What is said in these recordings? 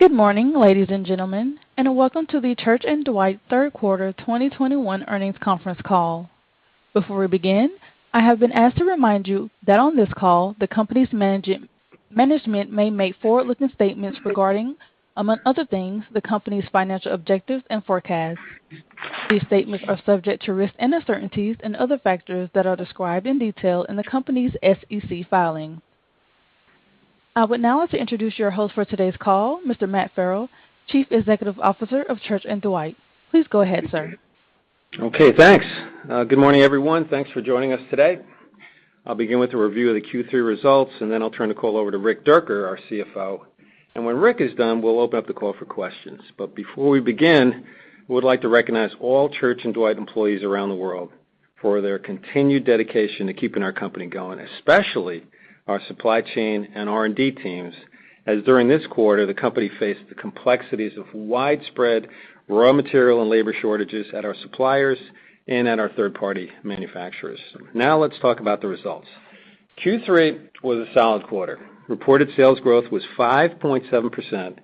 Good morning, ladies and gentlemen, and welcome to the Church & Dwight Third Quarter 2021 Earnings Conference Call. Before we begin, I have been asked to remind you that on this call, the company's management may make forward-looking statements regarding, among other things, the company's financial objectives and forecasts. These statements are subject to risks and uncertainties and other factors that are described in detail in the company's SEC filing. I would now like to introduce your host for today's call, Mr. Matthew Farrell, Chief Executive Officer of Church & Dwight. Please go ahead, sir. Okay, thanks. Good morning, everyone. Thanks for joining us today. I'll begin with a review of the Q3 results, and then I'll turn the call over to Rick Dierker, our CFO. When Rick is done, we'll open up the call for questions. Before we begin, we would like to recognize all Church & Dwight employees around the world for their continued dedication to keeping our company going, especially our supply chain and R&D teams, as during this quarter, the company faced the complexities of widespread raw material and labor shortages at our suppliers and at our third-party manufacturers. Now let's talk about the results. Q3 was a solid quarter. Reported sales growth was 5.7%.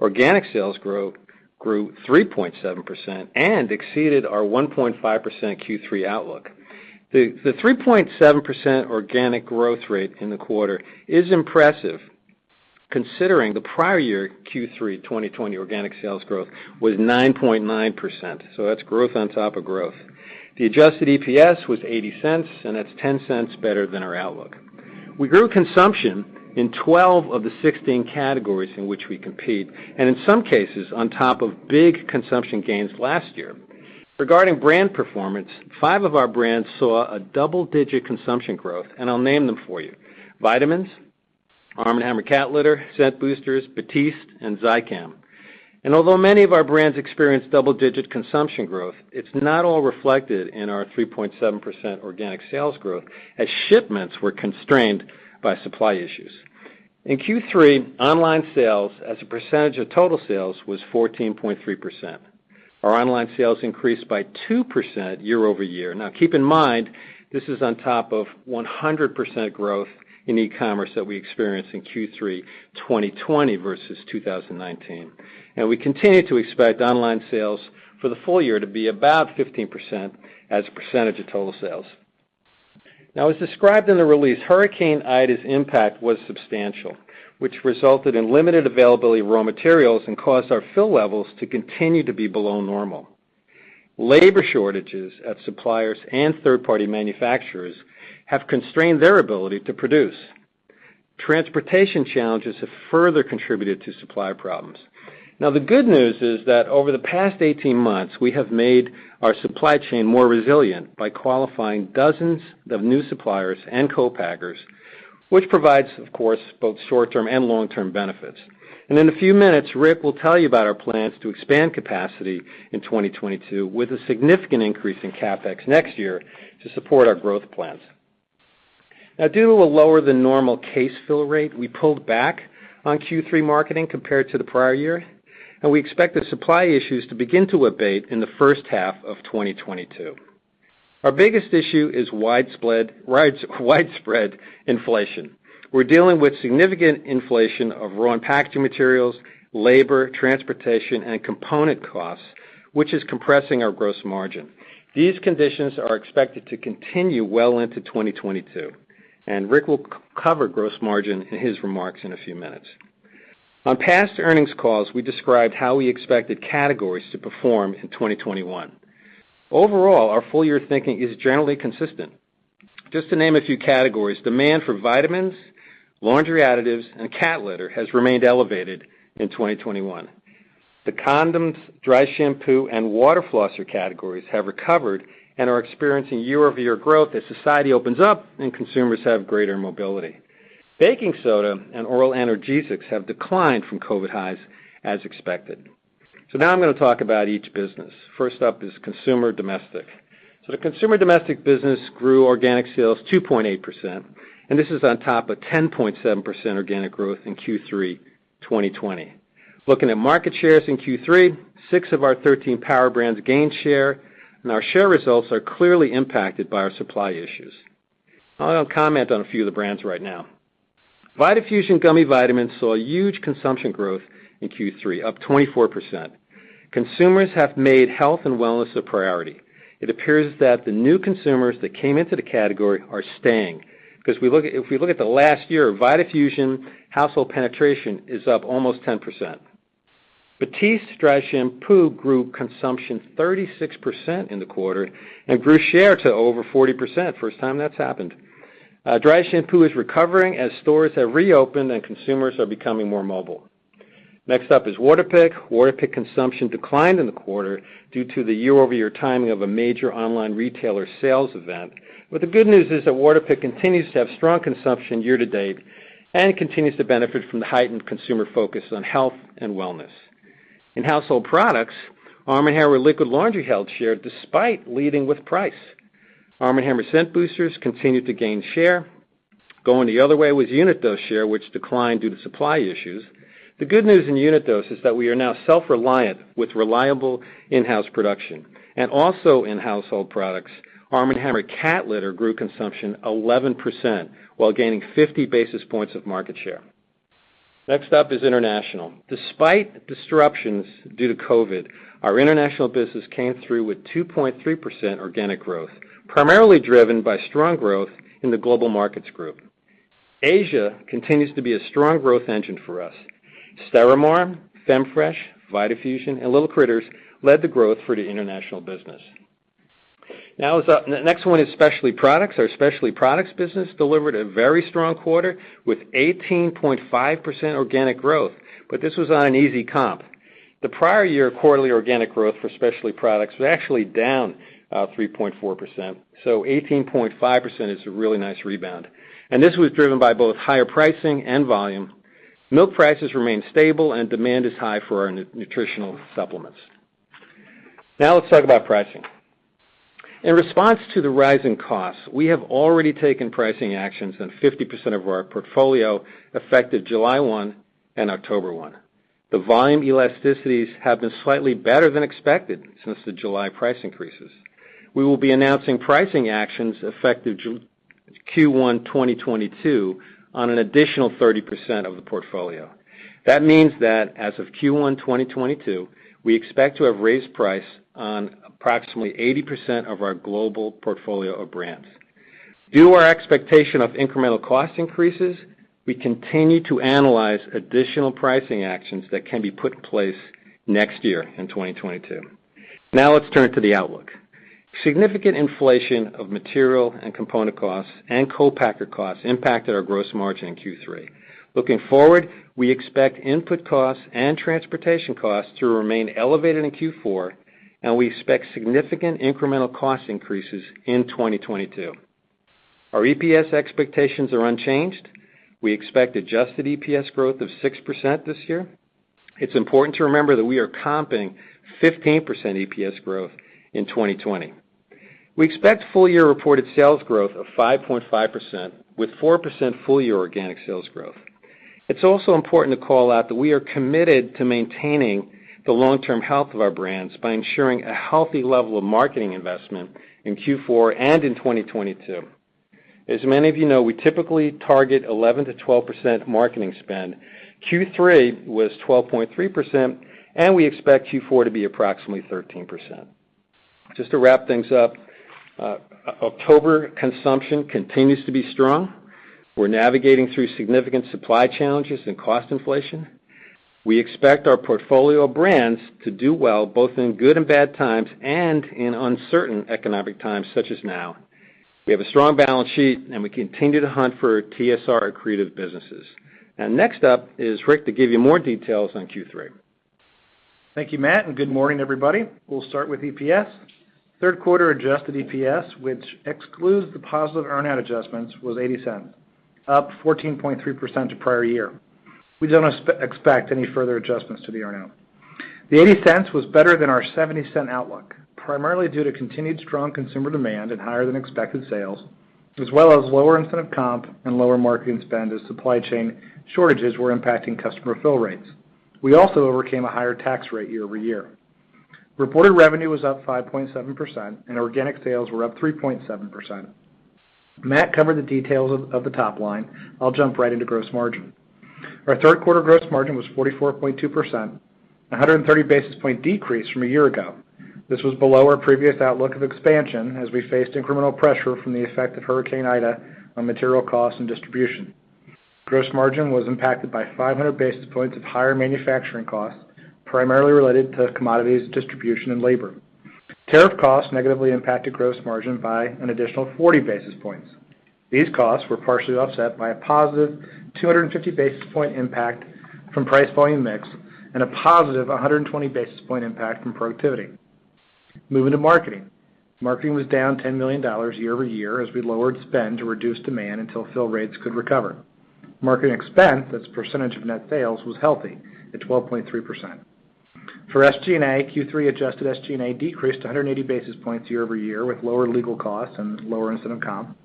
Organic sales growth grew 3.7% and exceeded our 1.5% Q3 outlook. The 3.7% organic growth rate in the quarter is impressive considering the prior year Q3 2020 organic sales growth was 9.9%, so that's growth on top of growth. The adjusted EPS was $0.80, and that's $0.10 better than our outlook. We grew consumption in 12 of the 16 categories in which we compete, and in some cases, on top of big consumption gains last year. Regarding brand performance, five of our brands saw double-digit consumption growth, and I'll name them for you. Vitamins, Arm & Hammer Cat Litter, Scent Boosters, Batiste, and Zicam. Although many of our brands experienced double-digit consumption growth, it's not all reflected in our 3.7% organic sales growth as shipments were constrained by supply issues. In Q3, online sales as a percentage of total sales was 14.3%. Our online sales increased by 2% year-over-year. Now keep in mind, this is on top of 100% growth in e-commerce that we experienced in Q3 2020 versus 2019. We continue to expect online sales for the full year to be about 15% as a percentage of total sales. Now, as described in the release, Hurricane Ida's impact was substantial, which resulted in limited availability of raw materials and caused our fill levels to continue to be below normal. Labor shortages at suppliers and third-party manufacturers have constrained their ability to produce. Transportation challenges have further contributed to supply problems. Now, the good news is that over the past 18 months, we have made our supply chain more resilient by qualifying dozens of new suppliers and co-packers, which provides, of course, both short-term and long-term benefits. In a few minutes, Rick will tell you about our plans to expand capacity in 2022 with a significant increase in CapEx next year to support our growth plans. Now, due to a lower than normal case fill rate, we pulled back on Q3 marketing compared to the prior year, and we expect the supply issues to begin to abate in the first half of 2022. Our biggest issue is widespread inflation. We're dealing with significant inflation of raw and packaging materials, labor, transportation, and component costs, which is compressing our gross margin. These conditions are expected to continue well into 2022, and Rick will cover gross margin in his remarks in a few minutes. On past earnings calls, we described how we expected categories to perform in 2021. Overall, our full year thinking is generally consistent. Just to name a few categories, demand for vitamins, laundry additives, and cat litter has remained elevated in 2021. The condoms, dry shampoo, and water flosser categories have recovered and are experiencing year-over-year growth as society opens up and consumers have greater mobility. Baking soda and oral analgesics have declined from COVID highs as expected. Now I'm gonna talk about each business. First up is Consumer Domestic. The Consumer Domestic business grew organic sales 2.8%, and this is on top of 10.7% organic growth in Q3 2020. Looking at market shares in Q3, six of our 13 power brands gained share, and our share results are clearly impacted by our supply issues. I'll comment on a few of the brands right now. VitaFusion gummy vitamins saw a huge consumption growth in Q3, up 24%. Consumers have made health and wellness a priority. It appears that the new consumers that came into the category are staying 'cause we look at the last year, VitaFusion household penetration is up almost 10%. Batiste Dry Shampoo grew consumption 36% in the quarter and grew share to over 40%. First time that's happened. Dry shampoo is recovering as stores have reopened and consumers are becoming more mobile. Next up is Waterpik. Waterpik consumption declined in the quarter due to the year-over-year timing of a major online retailer sales event. The good news is that Waterpik continues to have strong consumption year to date and continues to benefit from the heightened consumer focus on health and wellness. In household products, Arm & Hammer liquid laundry held share despite leading with price. Arm & Hammer Scent Boosters continued to gain share. Going the other way was unit dose share, which declined due to supply issues. The good news in unit dose is that we are now self-reliant with reliable in-house production. Also in household products, Arm & Hammer Cat Litter grew consumption 11% while gaining 50 basis points of market share. Next up is international. Despite disruptions due to COVID, our international business came through with 2.3% organic growth, primarily driven by strong growth in the Global Markets Group. Asia continues to be a strong growth engine for us. Stérimar, Femfresh, VitaFusion, and L'il Critters led the growth for the international business. The next one is specialty products. Our specialty products business delivered a very strong quarter with 18.5% organic growth, but this was on an easy comp. The prior year quarterly organic growth for specialty products was actually down 3.4%, so 18.5% is a really nice rebound, and this was driven by both higher pricing and volume. Milk prices remain stable and demand is high for our nutritional supplements. Now let's talk about pricing. In response to the rising costs, we have already taken pricing actions on 50% of our portfolio, effective July 1 and October 1. The volume elasticities have been slightly better than expected since the July price increases. We will be announcing pricing actions effective Q1 2022 on an additional 30% of the portfolio. That means that as of Q1 2022, we expect to have raised price on approximately 80% of our global portfolio of brands. Due to our expectation of incremental cost increases, we continue to analyze additional pricing actions that can be put in place next year in 2022. Now let's turn to the outlook. Significant inflation of material and component costs and co-packer costs impacted our gross margin in Q3. Looking forward, we expect input costs and transportation costs to remain elevated in Q4, and we expect significant incremental cost increases in 2022. Our EPS expectations are unchanged. We expect adjusted EPS growth of 6% this year. It's important to remember that we are comping 15% EPS growth in 2020. We expect full-year reported sales growth of 5.5% with 4% full-year organic sales growth. It's also important to call out that we are committed to maintaining the long-term health of our brands by ensuring a healthy level of marketing investment in Q4 and in 2022. As many of you know, we typically target 11%-12% marketing spend. Q3 was 12.3%, and we expect Q4 to be approximately 13%. Just to wrap things up, October consumption continues to be strong. We're navigating through significant supply challenges and cost inflation. We expect our portfolio of brands to do well both in good and bad times, and in uncertain economic times, such as now. We have a strong balance sheet, and we continue to hunt for TSR accretive businesses. Next up is Rick to give you more details on Q3. Thank you, Matt, and good morning, everybody. We'll start with EPS. Third quarter adjusted EPS, which excludes the positive earn-out adjustments, was $0.80, up 14.3% to prior year. We don't expect any further adjustments to the earn-out. The $0.80 was better than our $0.70 outlook, primarily due to continued strong consumer demand and higher than expected sales, as well as lower incentive comp and lower marketing spend as supply chain shortages were impacting customer fill rates. We also overcame a higher tax rate year-over-year. Reported revenue was up 5.7% and organic sales were up 3.7%. Matt covered the details of the top line. I'll jump right into gross margin. Our third quarter gross margin was 44.2%, a 130 basis point decrease from a year ago. This was below our previous outlook of expansion as we faced incremental pressure from the effect of Hurricane Ida on material costs and distribution. Gross margin was impacted by 500 basis points of higher manufacturing costs, primarily related to commodities, distribution, and labor. Tariff costs negatively impacted gross margin by an additional 40 basis points. These costs were partially offset by a positive 250 basis point impact from price volume mix and a positive 120 basis point impact from productivity. Moving to marketing. Marketing was down $10 million year-over-year as we lowered spend to reduce demand until fill rates could recover. Marketing expense, as a percentage of net sales, was healthy at 12.3%. For SG&A, Q3 adjusted SG&A decreased 180 basis points year-over-year with lower legal costs and lower incentive comp.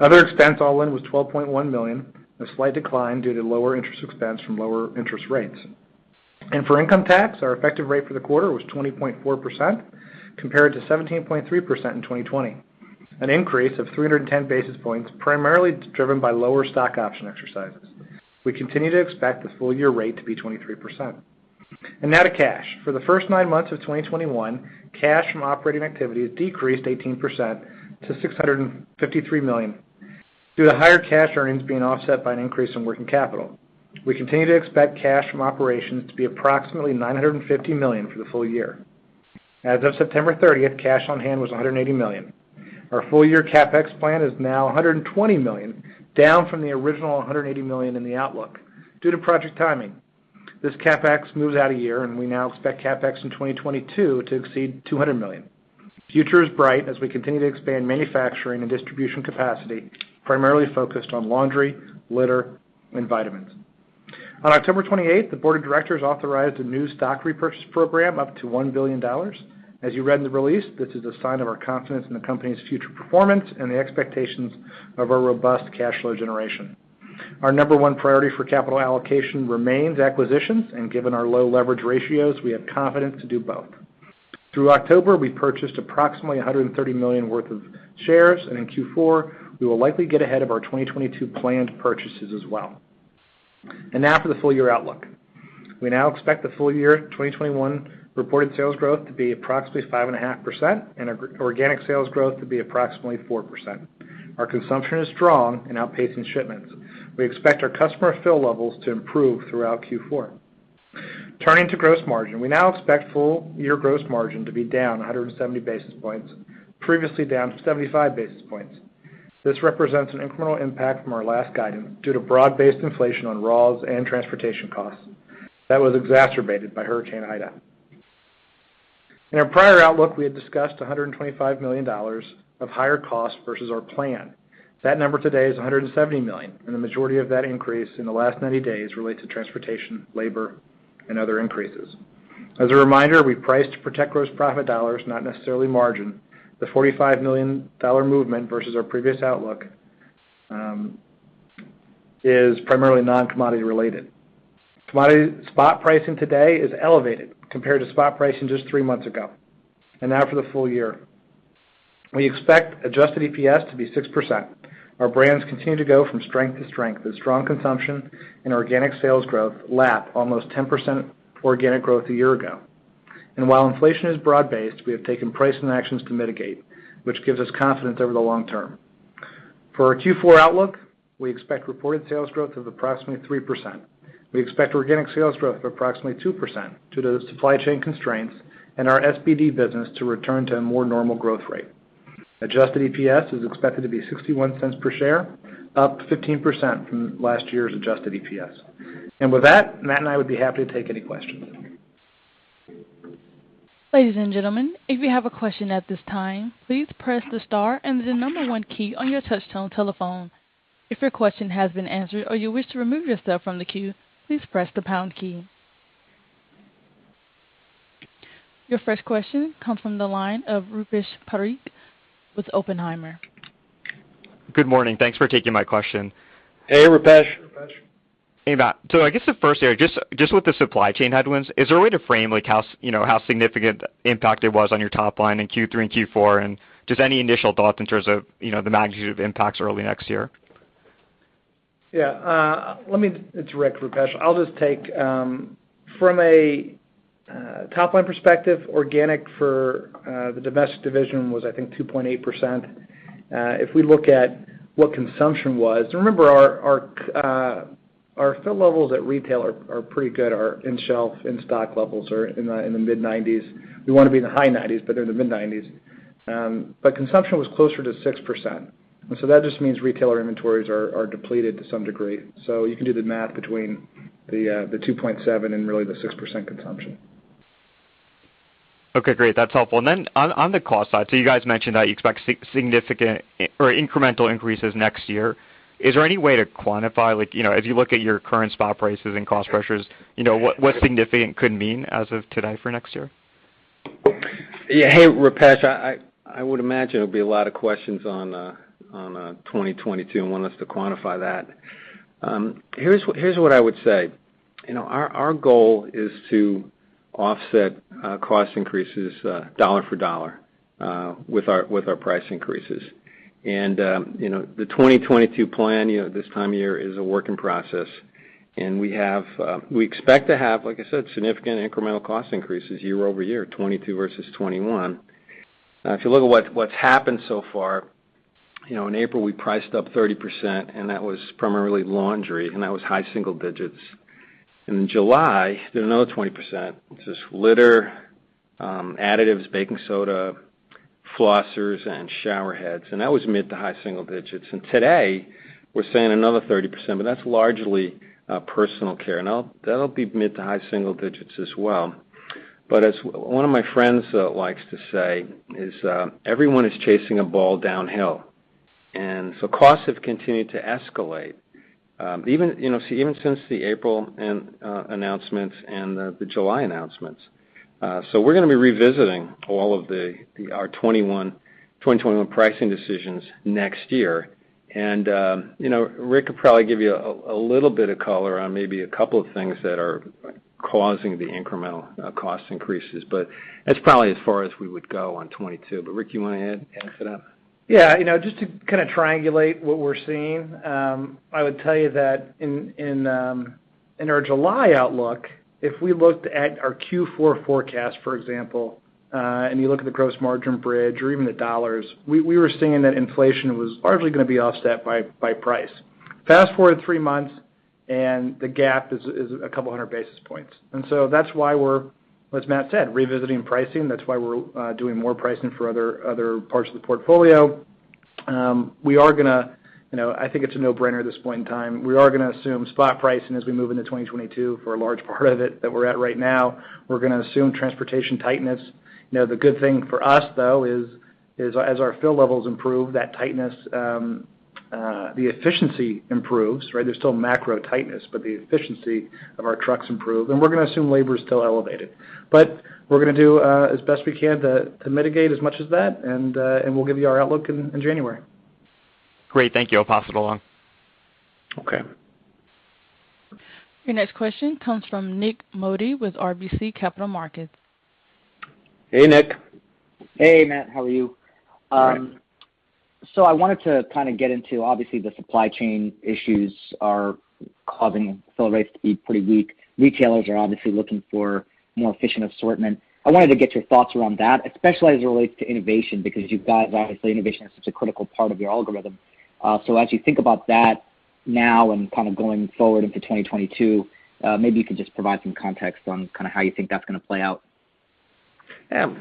Other expense all-in was $12.1 million, a slight decline due to lower interest expense from lower interest rates. For income tax, our effective rate for the quarter was 20.4% compared to 17.3% in 2020, an increase of 310 basis points, primarily driven by lower stock option exercises. We continue to expect the full-year rate to be 23%. Now to cash. For the first nine months of 2021, cash from operating activity decreased 18% to $653 million, due to higher cash earnings being offset by an increase in working capital. We continue to expect cash from operations to be approximately $950 million for the full year. As of September 30th, cash on hand was $180 million. Our full year CapEx plan is now $120 million, down from the original $180 million in the outlook due to project timing. This CapEx moves out a year, and we now expect CapEx in 2022 to exceed $200 million. Future is bright as we continue to expand manufacturing and distribution capacity, primarily focused on laundry, litter, and vitamins. On October 28th, the board of directors authorized a new stock repurchase program up to $1 billion. As you read in the release, this is a sign of our confidence in the company's future performance and the expectations of our robust cash flow generation. Our number one priority for capital allocation remains acquisitions, and given our low leverage ratios, we have confidence to do both. Through October, we purchased approximately $130 million worth of shares, and in Q4, we will likely get ahead of our 2022 planned purchases as well. Now for the full-year outlook. We now expect the full-year 2021 reported sales growth to be approximately 5.5% and our organic sales growth to be approximately 4%. Our consumption is strong and outpacing shipments. We expect our customer fill levels to improve throughout Q4. Turning to gross margin, we now expect full-year gross margin to be down 170 basis points, previously down 75 basis points. This represents an incremental impact from our last guidance due to broad-based inflation on raws and transportation costs that was exacerbated by Hurricane Ida. In our prior outlook, we had discussed $125 million of higher costs versus our plan. That number today is $170 million, and the majority of that increase in the last 90 days relate to transportation, labor, and other increases. As a reminder, we price to protect gross profit dollars, not necessarily margin. The $45 million movement versus our previous outlook is primarily non-commodity related. Commodity spot pricing today is elevated compared to spot pricing just three months ago. Now for the full year. We expect adjusted EPS to be 6%. Our brands continue to go from strength to strength as strong consumption and organic sales growth lap almost 10% organic growth a year ago. While inflation is broad-based, we have taken pricing actions to mitigate, which gives us confidence over the long term. For our Q4 outlook, we expect reported sales growth of approximately 3%. We expect organic sales growth of approximately 2% due to the supply chain constraints and our SPD business to return to a more normal growth rate. Adjusted EPS is expected to be $0.61 per share, up 15% from last year's adjusted EPS. With that, Matt and I would be happy to take any questions. Ladies and gentlemen, if you have a question at this time, please press the star and the number one key on your touchtone telephone. If your question has been answered or you wish to remove yourself from the queue, please press the pound key. Your first question comes from the line of Rupesh Parikh with Oppenheimer. Good morning. Thanks for taking my question. Hey, Rupesh. Hey, Matt. I guess the first area, just with the supply chain headwinds, is there a way to frame, like, you know, how significant impact it was on your top line in Q3 and Q4, and just any initial thoughts in terms of, you know, the magnitude of impacts early next year? It's Rick, Rupesh. I'll just take from a top-line perspective, organic for the domestic division was I think 2.8%. If we look at what consumption was, remember our fill levels at retail are pretty good. Our in-shelf, in-stock levels are in the mid-90s. We wanna be in the high 90s, but they're in the mid-90s. Consumption was closer to 6%. That just means retailer inventories are depleted to some degree. You can do the math between the 2.7 and really the 6% consumption. Okay, great. That's helpful. On the cost side, so you guys mentioned that you expect significant or incremental increases next year. Is there any way to quantify, like, you know, as you look at your current spot prices and cost pressures, you know, what significant could mean as of today for next year? Yeah. Hey, Rupesh. I would imagine there'll be a lot of questions on 2022 and want us to quantify that. Here's what I would say. You know, our goal is to offset cost increases dollar for dollar with our price increases. You know, the 2022 plan this time of year is a work in process, and we expect to have, like I said, significant incremental cost increases year-over-year, 2022 versus 2021. Now, if you look at what's happened so far, you know, in April, we priced up 30%, and that was primarily laundry, and that was high single digits. In July, did another 20%, which is litter, additives, baking soda, flossers, and shower heads, and that was mid to high single digits. Today, we're saying another 30%, but that's largely personal care, and that'll be mid to high single digits as well. As one of my friends likes to say is, everyone is chasing a ball downhill. Costs have continued to escalate, even, you know, even since the April and announcements and the July announcements. We're gonna be revisiting all of our 2021 pricing decisions next year. You know, Rick could probably give you a little bit of color on maybe a couple of things that are causing the incremental cost increases, but that's probably as far as we would go on 2022. Rick, you wanna add to that? Yeah. You know, just to kinda triangulate what we're seeing, I would tell you that in our July outlook, if we looked at our Q4 forecast, for example, and you look at the gross margin bridge or even the dollars, we were seeing that inflation was largely gonna be offset by price. Fast-forward three months, and the gap is a couple hundred basis points. That's why we're, as Matt said, revisiting pricing. That's why we're doing more pricing for other parts of the portfolio. We are gonna, you know, I think it's a no-brainer at this point in time. We are gonna assume spot pricing as we move into 2022 for a large part of it that we're at right now. We're gonna assume transportation tightness. You know, the good thing for us, though, is as our fill levels improve, that tightness, the efficiency improves, right? There's still macro tightness, but the efficiency of our trucks improve. We're gonna assume labor is still elevated. We're gonna do as best we can to mitigate as much as that and we'll give you our outlook in January. Great. Thank you. I'll pass it along. Okay. Your next question comes from Nik Modi with RBC Capital Markets. Hey, Nik. Hey, Matt, how are you? All right. I wanted to kind of get into, obviously, the supply chain issues are causing sell rates to be pretty weak. Retailers are obviously looking for more efficient assortment. I wanted to get your thoughts around that, especially as it relates to innovation, because you guys, obviously, innovation is such a critical part of your algorithm. As you think about that now and kind of going forward into 2022, maybe you could just provide some context on kind of how you think that's gonna play out. Yeah.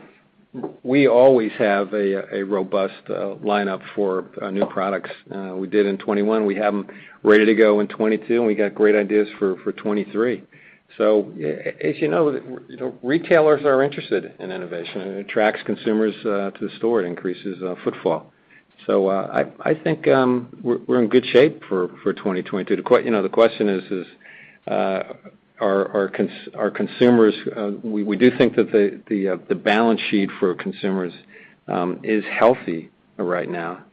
We always have a robust lineup for new products. We did in 2021. We have them ready to go in 2022, and we got great ideas for 2023. As you know, retailers are interested in innovation. It attracts consumers to the store. It increases footfall. I think we're in good shape for 2022. The question is, are consumers... We do think that the balance sheet for consumers is healthy right now.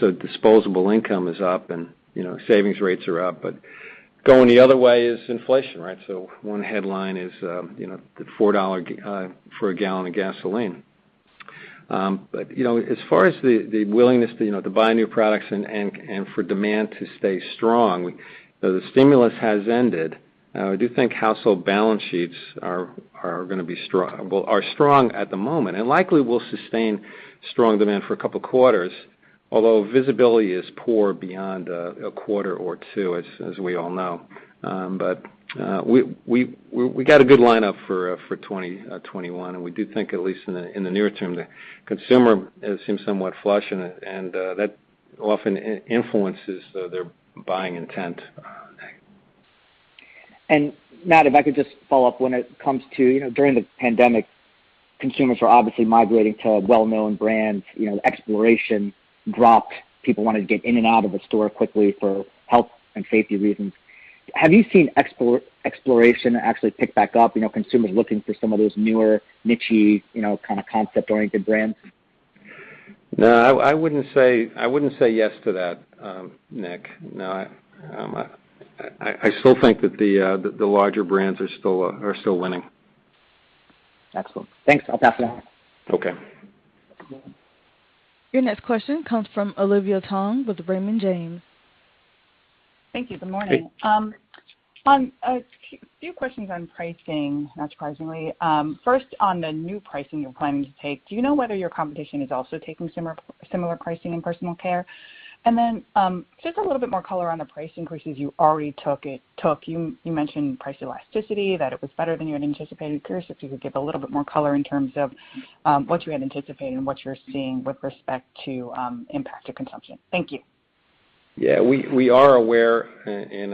Disposable income is up, and you know, savings rates are up. Going the other way is inflation, right? One headline is you know, the $4 for a gallon of gasoline. You know, as far as the willingness to buy new products and for demand to stay strong, the stimulus has ended. We do think household balance sheets are gonna be well are strong at the moment and likely will sustain strong demand for a couple quarters, although visibility is poor beyond a quarter or two, as we all know. We got a good lineup for 2021, and we do think at least in the near term, the consumer seems somewhat flush, and that often influences their buying intent. Matt, if I could just follow up. When it comes to, you know, during the pandemic, consumers were obviously migrating to well-known brands. You know, exploration dropped. People wanted to get in and out of the store quickly for health and safety reasons. Have you seen exploration actually pick back up, you know, consumers looking for some of those newer, niche-y, you know, kind of concept-oriented brands? No, I wouldn't say yes to that, Nik. No, I still think that the larger brands are still winning. Excellent. Thanks. I'll pass it on. Okay. Your next question comes from Olivia Tong with Raymond James. Thank you. Good morning. Hey. I have a few questions on pricing, not surprisingly. First on the new pricing you're planning to take, do you know whether your competition is also taking similar pricing in personal care? Just a little bit more color on the price increases you already took. You mentioned price elasticity, that it was better than you had anticipated. I'm curious if you could give a little bit more color in terms of what you had anticipated and what you're seeing with respect to impact to consumption. Thank you. Yeah, we are aware in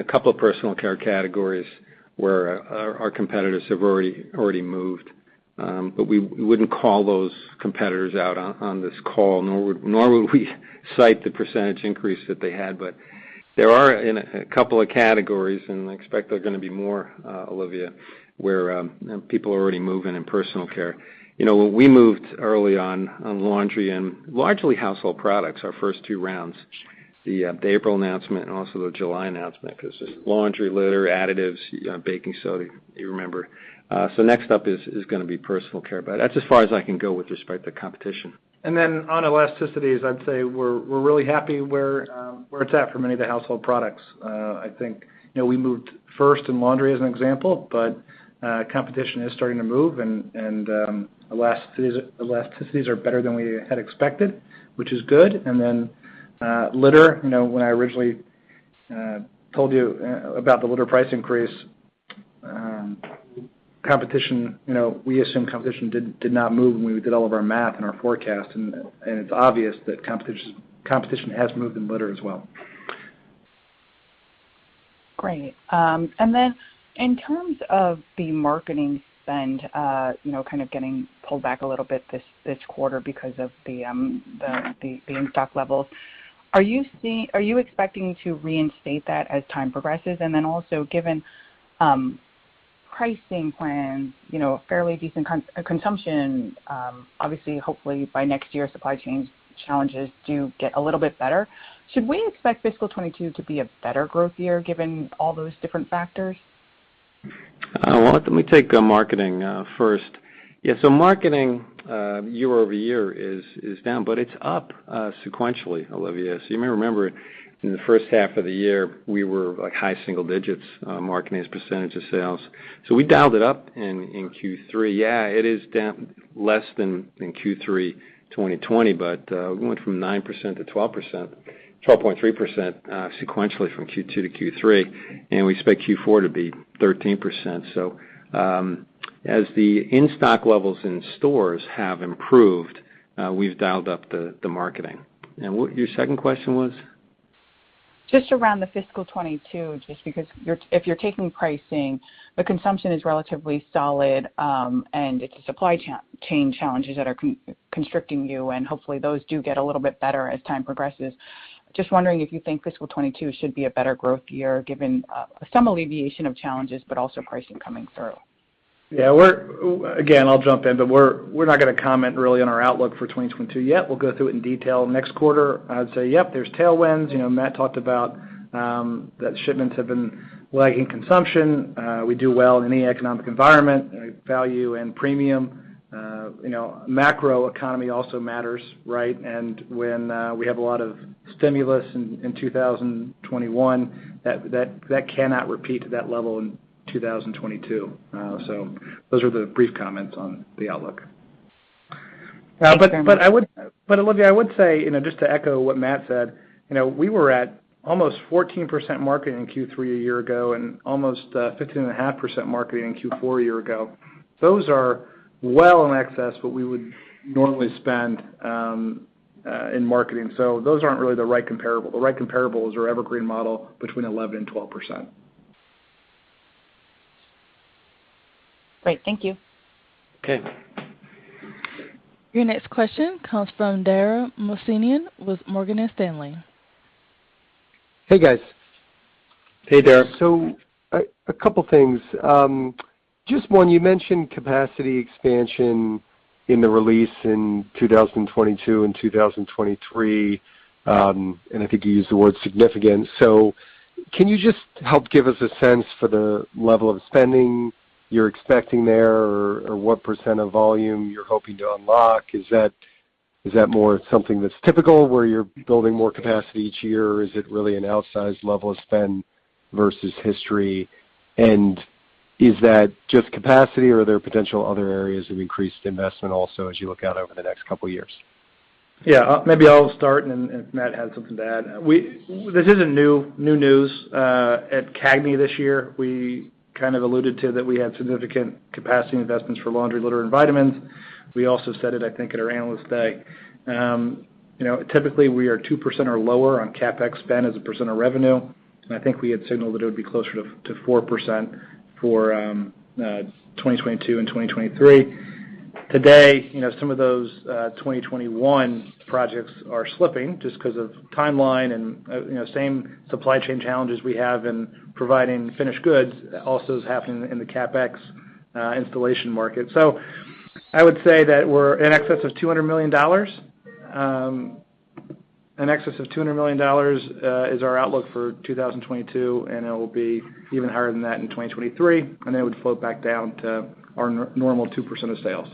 a couple of personal care categories where our competitors have already moved. We wouldn't call those competitors out on this call, nor would we cite the percentage increase that they had. There are in a couple of categories, and I expect there are gonna be more, Olivia, where people are already moving in personal care. You know, we moved early on laundry and largely household products, our first two rounds, the April announcement and also the July announcement, 'cause it was laundry, litter, additives, baking soda, you remember. Next up is gonna be personal care. That's as far as I can go with respect to competition. Then on elasticities, I'd say we're really happy where it's at for many of the household products. I think, you know, we moved first in laundry as an example, but competition is starting to move, and elasticities are better than we had expected, which is good. Then, litter, you know, when I originally told you about the litter price increase, competition, you know, we assumed competition did not move when we did all of our math and our forecast, and it's obvious that competition has moved in litter as well. Great. In terms of the marketing spend, you know, kind of getting pulled back a little bit this quarter because of the in-stock levels, are you expecting to reinstate that as time progresses? Given pricing plans, you know, fairly decent consumption, obviously, hopefully by next year, supply chain challenges do get a little bit better. Should we expect fiscal 2022 to be a better growth year given all those different factors? Well, let me take marketing first. Marketing year-over-year is down, but it's up sequentially, Olivia. You may remember in the first half of the year, we were like high single digits marketing as a percentage of sales. We dialed it up in Q3. It is down less than in Q3 2020, but we went from 9% to 12%, 12.3% sequentially from Q2 to Q3, and we expect Q4 to be 13%. As the in-stock levels in stores have improved, we've dialed up the marketing. What your second question was? Just around the fiscal 2022, just because if you're taking pricing, but consumption is relatively solid, and it's the supply chain challenges that are constricting you, and hopefully those do get a little bit better as time progresses. Just wondering if you think fiscal 2022 should be a better growth year given some alleviation of challenges but also pricing coming through. Again, I'll jump in, but we're not gonna comment really on our outlook for 2022 yet. We'll go through it in detail next quarter. I'd say, yep, there's tailwinds. You know, Matt talked about that shipments have been lagging consumption. We do well in any economic environment, value and premium. You know, macro economy also matters, right? When we have a lot of stimulus in 2021, that cannot repeat to that level in 2022. Those are the brief comments on the outlook. Olivia, I would say, you know, just to echo what Matt said, you know, we were at almost 14% marketing in Q3 a year ago and almost 15.5% marketing in Q4 a year ago. Those are well in excess of what we would normally spend in marketing. Those aren't really the right comparable. The right comparables are evergreen model between 11%-12%. Great. Thank you. Okay. Your next question comes from Dara Mohsenian with Morgan Stanley. Hey, guys. Hey, Dara. A couple things. Just one, you mentioned capacity expansion in the release in 2022 and 2023, and I think you used the word significant. Can you just help give us a sense for the level of spending you're expecting there or what percent of volume you're hoping to unlock? Is that more something that's typical, where you're building more capacity each year? Or is it really an outsized level of spend versus history? And is that just capacity, or are there potential other areas of increased investment also as you look out over the next couple years? Yeah, maybe I'll start and if Matt has something to add. This isn't new news at CAGNY this year. We kind of alluded to that we had significant capacity investments for laundry, litter, and vitamins. We also said it, I think, at our Analyst Day. You know, typically, we are 2% or lower on CapEx spend as a percent of revenue, and I think we had signaled that it would be closer to 4% for 2022 and 2023. Today, you know, some of those 2021 projects are slipping just 'cause of timeline and, you know, same supply chain challenges we have in providing finished goods also is happening in the CapEx installation market. I would say that we're in excess of $200 million. In excess of $200 million is our outlook for 2022, and it will be even higher than that in 2023, and it would float back down to our normal 2% of sales.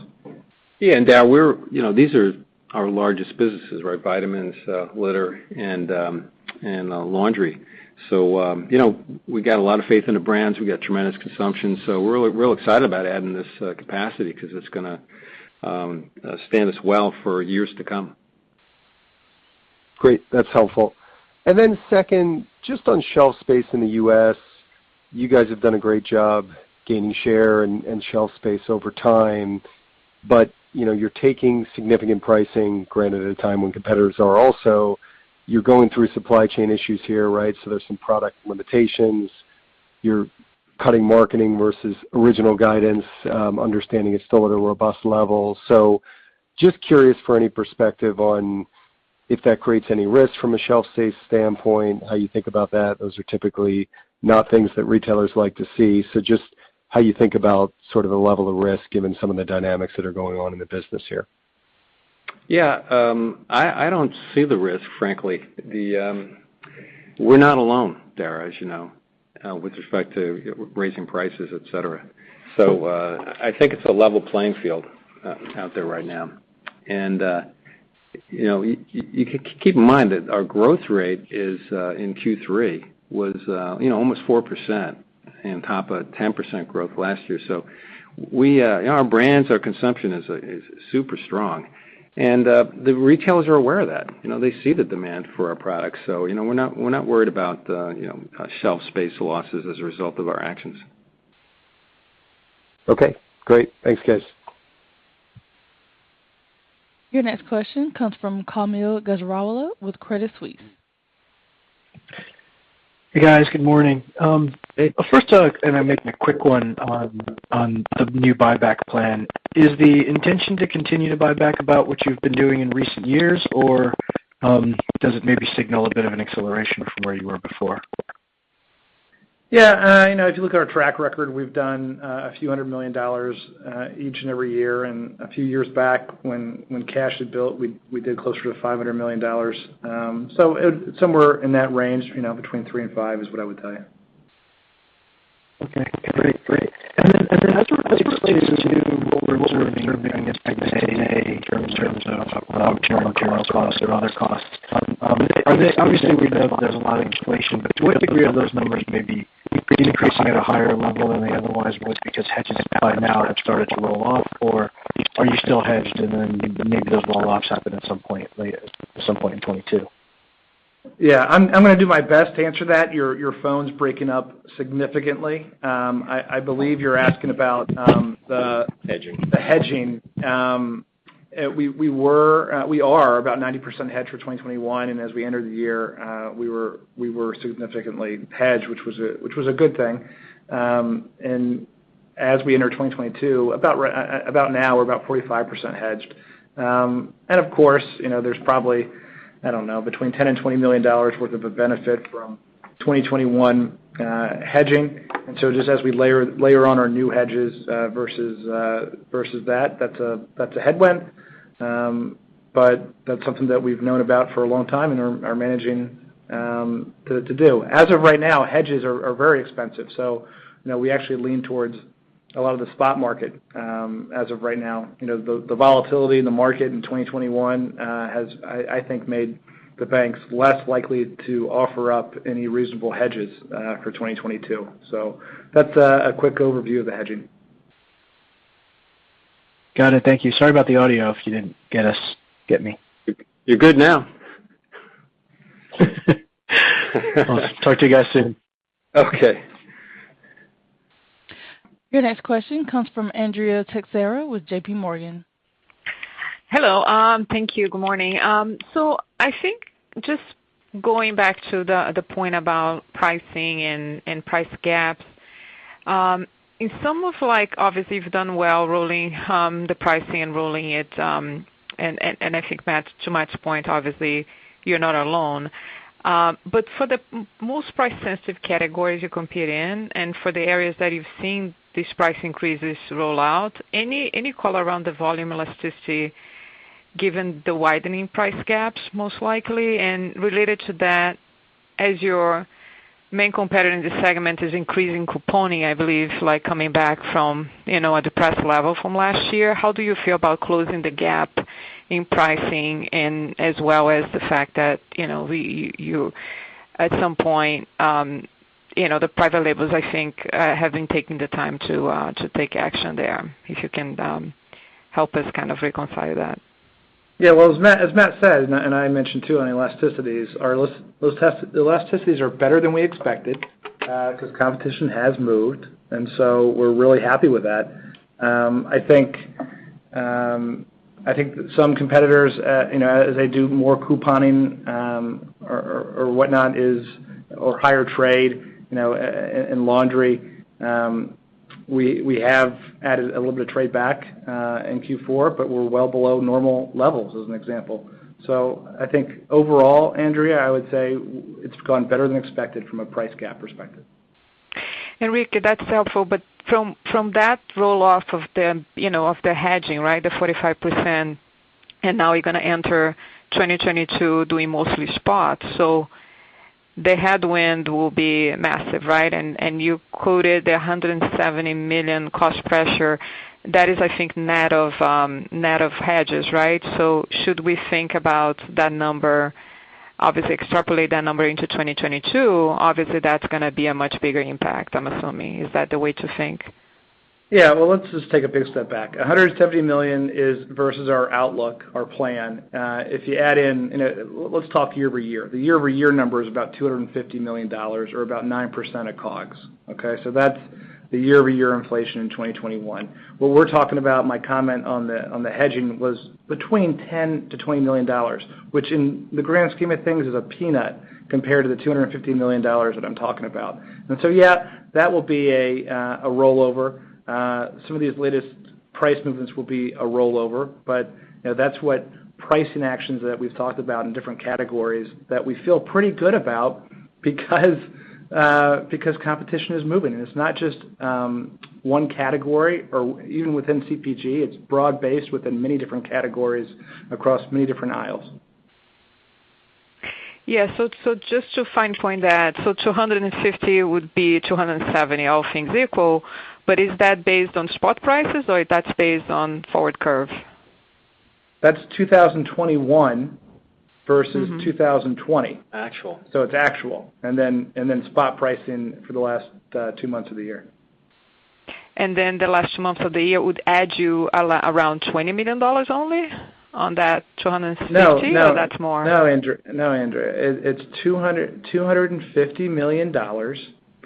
Yeah. Dara, we're, you know, these are our largest businesses, right? Vitamins, litter, and laundry. You know, we got a lot of faith in the brands. We've got tremendous consumption, so we're really excited about adding this capacity 'cause it's gonna stand us well for years to come. Great. That's helpful. Second, just on shelf space in the U.S., you guys have done a great job gaining share and shelf space over time, but, you know, you're taking significant pricing, granted, at a time when competitors are also. You're going through supply chain issues here, right? There's some product limitations. You're cutting marketing versus original guidance, understanding it's still at a robust level. Just curious for any perspective on if that creates any risk from a shelf space standpoint, how you think about that. Those are typically not things that retailers like to see. Just how you think about sort of the level of risk given some of the dynamics that are going on in the business here. Yeah. I don't see the risk, frankly. We're not alone, Dara, as you know, with respect to raising prices, et cetera. I think it's a level playing field out there right now. You know, you keep in mind that our growth rate in Q3 was, you know, almost 4% on top of 10% growth last year. In our brands, our consumption is super strong. The retailers are aware of that. You know, they see the demand for our products. You know, we're not worried about shelf space losses as a result of our actions. Okay, great. Thanks, guys. Your next question comes from Kaumil Gajrawala with Credit Suisse. Hey, guys. Good morning. First, I'll make my quick one on the new buyback plan. Is the intention to continue to buy back about what you've been doing in recent years, or does it maybe signal a bit of an acceleration from where you were before? Yeah. You know, if you look at our track record, we've done a few hundred million dollars each and every year. A few years back when cash had built, we did closer to $500 million. So somewhere in that range, you know, between $300 million and $500 million is what I would tell you. Okay, great. As we're exposed to what we're observing, I guess, today in terms of raw material costs or other costs, are they, obviously, we know there's a lot of inflation. To what degree are those numbers maybe increasing at a higher level than they otherwise would because hedges by now have started to roll off? Or are you still hedged and then maybe those roll-offs happen at some point in 2022? Yeah. I'm gonna do my best to answer that. Your phone's breaking up significantly. I believe you're asking about the- Hedging The hedging. We are about 90% hedged for 2021, and as we entered the year, we were significantly hedged, which was a good thing. As we enter 2022, about right now, we're about 45% hedged. Of course, you know, there's probably, I don't know, between $10 million and $20 million worth of a benefit from 2021 hedging. Just as we layer on our new hedges versus that's a headwind. That's something that we've known about for a long time and are managing to do. As of right now, hedges are very expensive. You know, we actually lean towards a lot of the spot market as of right now. You know, the volatility in the market in 2021 has, I think, made the banks less likely to offer up any reasonable hedges for 2022. That's a quick overview of the hedging. Got it. Thank you. Sorry about the audio, if you didn't get us, get me. You're good now. Talk to you guys soon. Okay. Your next question comes from Andrea Teixeira with JPMorgan. Hello. Thank you. Good morning. I think just going back to the point about pricing and price gaps, it's almost like obviously you've done well rolling the pricing and rolling it, and I think Matt, to Matt's point, obviously you're not alone. For the most price sensitive categories you compete in and for the areas that you've seen these price increases roll out, any color around the volume elasticity, given the widening price gaps, most likely? Related to that, as your main competitor in this segment is increasing couponing, I believe like coming back from, you know, a depressed level from last year, how do you feel about closing the gap in pricing and as well as the fact that, you know, you, at some point, you know, the private labels I think have been taking the time to take action there. If you can help us kind of reconcile that? Well, as Matt said, and I mentioned too on elasticities, the elasticities are better than we expected, 'cause competition has moved, and so we're really happy with that. I think some competitors, you know, as they do more couponing, or whatnot or higher trade, you know, in laundry, we have added a little bit of trade back in Q4, but we're well below normal levels as an example. So I think overall, Andrea, I would say it's gone better than expected from a price gap perspective. Rick, that's helpful. From that roll off of the, you know, hedging, right, 45%, and now you're gonna enter 2022 doing mostly spots. The headwind will be massive, right? You quoted the $170 million cost pressure. That is, I think, net of hedges, right? Should we think about that number, obviously extrapolate that number into 2022, obviously, that's gonna be a much bigger impact, I'm assuming. Is that the way to think? Yeah. Well, let's just take a big step back. $170 million is versus our outlook, our plan. If you add in, let's talk year-over-year. The year-over-year number is about $250 million or about 9% of COGS. Okay. That's the year-over-year inflation in 2021. What we're talking about, my comment on the hedging was between $10 million-$20 million, which in the grand scheme of things is a peanut compared to the $250 million that I'm talking about. Yeah, that will be a rollover. Some of these latest price movements will be a rollover, but you know, that's what pricing actions that we've talked about in different categories that we feel pretty good about because competition is moving. It's not just one category or even within CPG. It's broad-based within many different categories across many different aisles. Just to fine-point that, 250 would be 270, all things equal, but is that based on spot prices or that's based on forward curve? That's 2021 versus Mm-hmm. 2020. Actual. It's actual, and then spot pricing for the last two months of the year. The last two months of the year would add around $20 million only on that 260- No, no. That's more? No, Andrea. It's $250 million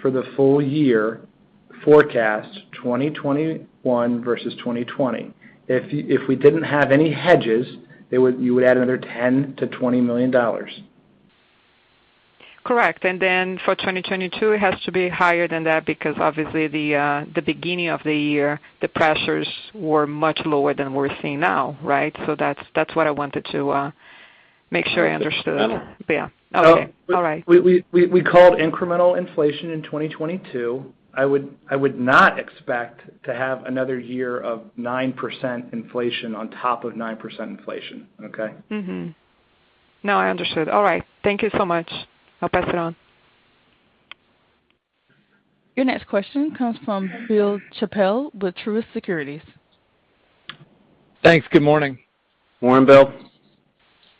for the full year forecast, 2021 versus 2020. If we didn't have any hedges, you would add another $10 million-$20 million. Correct. Then for 2022, it has to be higher than that because obviously the beginning of the year, the pressures were much lower than what we're seeing now, right? So that's what I wanted to make sure I understood. Got it. Yeah. Okay. All right. We called incremental inflation in 2022. I would not expect to have another year of 9% inflation on top of 9% inflation. Okay? No, I understood. All right. Thank you so much. I'll pass it on. Your next question comes from Bill Chappell with Truist Securities. Thanks. Good morning. Morning, Bill.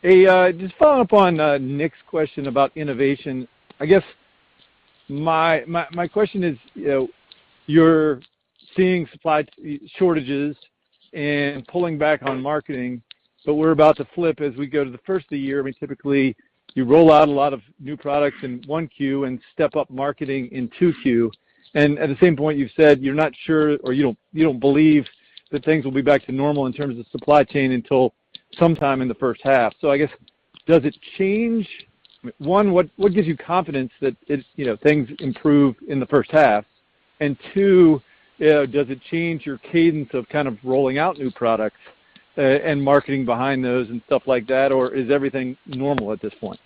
Hey, just following up on Nik's question about innovation. I guess my question is, you know, you're seeing supply shortages and pulling back on marketing, but we're about to flip as we go to the first of the year. I mean, typically, you roll out a lot of new products in 1Q and step up marketing in 2Q. At the same point, you've said you're not sure or you don't believe that things will be back to normal in terms of supply chain until sometime in the first half. I guess, does it change? One, what gives you confidence that it's, you know, things improve in the first half? Two, does it change your cadence of kind of rolling out new products, and marketing behind those and stuff like that, or is everything normal at this point?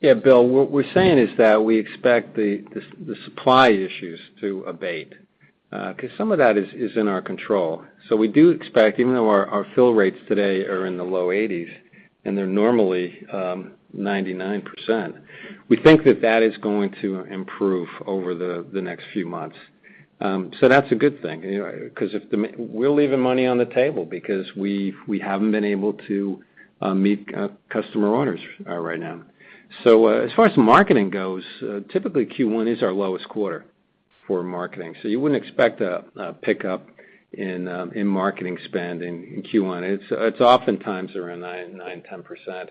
Yeah, Bill, what we're saying is that we expect the supply issues to abate, 'cause some of that is in our control. We do expect, even though our fill rates today are in the low 80s and they're normally 99%, we think that that is going to improve over the next few months. That's a good thing, you know, 'cause we're leaving money on the table because we haven't been able to meet customer orders right now. As far as marketing goes, typically Q1 is our lowest quarter for marketing, so you wouldn't expect a pickup in marketing spend in Q1. It's oftentimes around 9%-10%.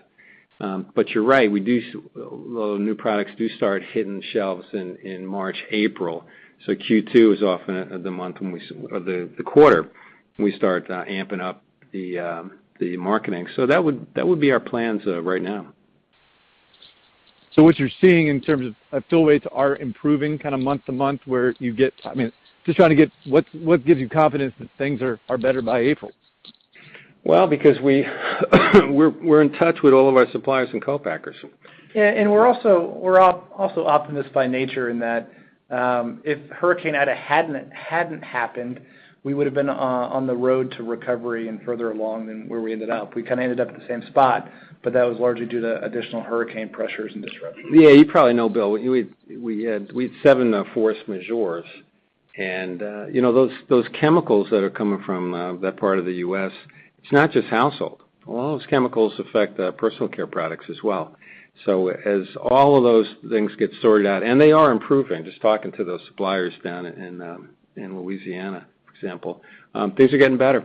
You're right. Well, new products do start hitting shelves in March, April, so Q2 is often the month when we or the quarter when we start amping up the marketing. That would be our plans right now. What you're seeing in terms of fill rates are improving kind of month-to-month, where you get I mean, just trying to get what gives you confidence that things are better by April? Well, because we're in touch with all of our suppliers and co-packers. Yeah, we're also optimists by nature in that, if Hurricane Ida hadn't happened, we would've been on the road to recovery and further along than where we ended up. We kinda ended up at the same spot, but that was largely due to additional hurricane pressures and disruptions. Yeah, you probably know, Bill, we had seven force majeures. You know, those chemicals that are coming from that part of the U.S., it's not just household. A lot of those chemicals affect personal care products as well. So as all of those things get sorted out, and they are improving, just talking to those suppliers down in Louisiana, for example, things are getting better.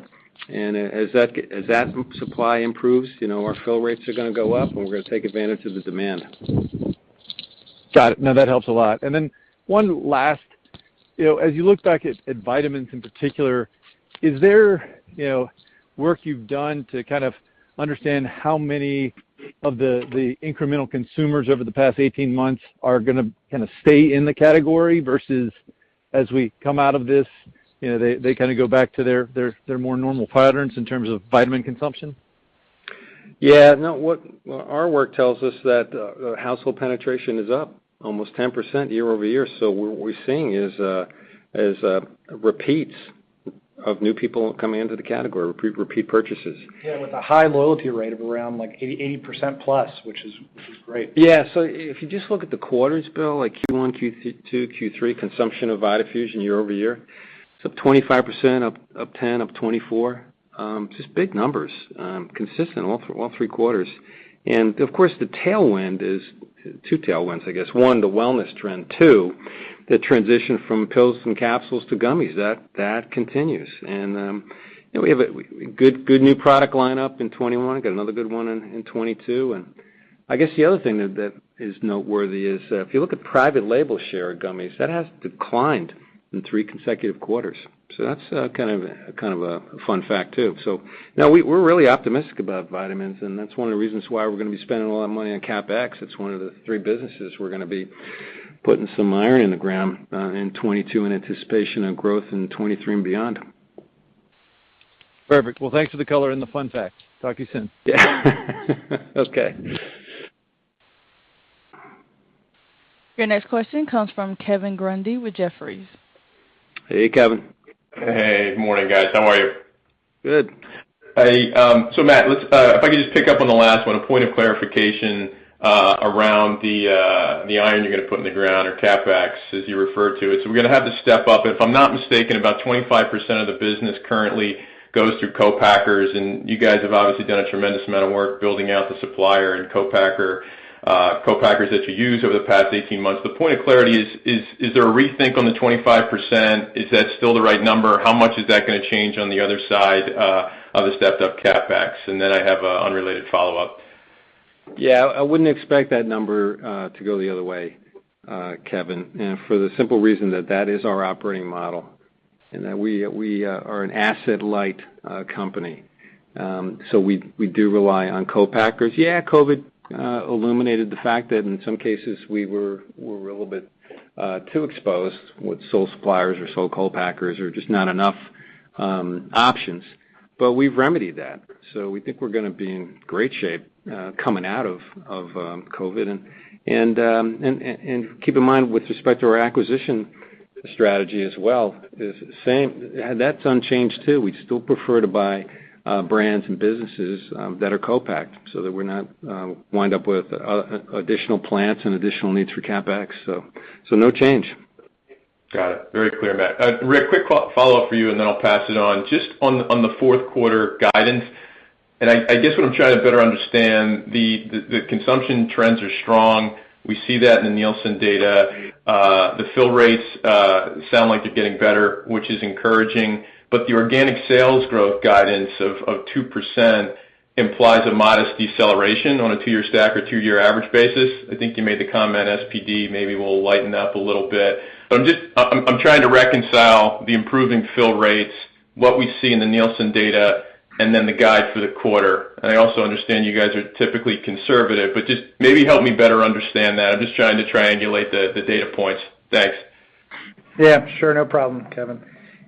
As that supply improves, you know, our fill rates are gonna go up, and we're gonna take advantage of the demand. Got it. No, that helps a lot. One last. You know, as you look back at vitamins in particular, is there, you know, work you've done to kind of understand how many of the incremental consumers over the past 18 months are gonna kinda stay in the category versus as we come out of this, you know, they kinda go back to their more normal patterns in terms of vitamin consumption? Yeah. No, Well, our work tells us that household penetration is up almost 10% year-over-year. What we're seeing is repeats of new people coming into the category, repeat purchases. Yeah, with a high loyalty rate of around, like, 80% plus, which is great. Yeah. If you just look at the quarters, Bill, like Q1, Q2, Q3, consumption of VitaFusion year-over-year, it's up 25%, up 10%, up 24%. Just big numbers, consistent all three quarters. Of course, the tailwind is two tailwinds, I guess. One, the wellness trend. Two, the transition from pills and capsules to gummies. That continues. You know, we have a good new product line up in 2021, got another good one in 2022. I guess the other thing that is noteworthy is that if you look at private label share of gummies, that has declined in three consecutive quarters. That's kind of a fun fact too. No, we're really optimistic about vitamins, and that's one of the reasons why we're gonna be spending a lot of money on CapEx. It's one of the three businesses we're gonna be putting some iron in the ground in 2022 in anticipation of growth in 2023 and beyond. Perfect. Well, thanks for the color and the fun fact. Talk to you soon. Yeah. Okay. Your next question comes from Kevin Grundy with Jefferies. Hey, Kevin. Hey. Morning, guys. How are you? Good. Matt, if I could just pick up on the last one, a point of clarification around the iron you're gonna put in the ground or CapEx, as you refer to it. We're gonna have to step up. If I'm not mistaken, about 25% of the business currently goes through co-packers, and you guys have obviously done a tremendous amount of work building out the supplier and co-packers that you used over the past 18 months. The point of clarity is there a rethink on the 25%? Is that still the right number? How much is that gonna change on the other side of the stepped-up CapEx? I have an unrelated follow-up. Yeah. I wouldn't expect that number to go the other way, Kevin, for the simple reason that that is our operating model and that we are an asset-light company. We do rely on co-packers. Yeah, COVID illuminated the fact that in some cases, we were a little bit too exposed with sole suppliers or sole co-packers or just not enough options. We've remedied that, so we think we're gonna be in great shape coming out of COVID. Keep in mind with respect to our acquisition strategy as well is the same. That's unchanged too. We still prefer to buy brands and businesses that are co-packed so that we're not wind up with additional plants and additional needs for CapEx. No change. Got it. Very clear, Matt. Rick, quick follow-up for you, and then I'll pass it on. Just on the fourth quarter guidance, and I guess what I'm trying to better understand, the consumption trends are strong. We see that in the Nielsen data. The fill rates sound like they're getting better, which is encouraging, but the organic sales growth guidance of 2% implies a modest deceleration on a two-year stack or two-year average basis. I think you made the comment SPD maybe will lighten up a little bit. But I'm just I'm trying to reconcile the improving fill rates. What we see in the Nielsen data and then the guide for the quarter. I also understand you guys are typically conservative, but just maybe help me better understand that. I'm just trying to triangulate the data points. Thanks. Yeah, sure. No problem, Kevin.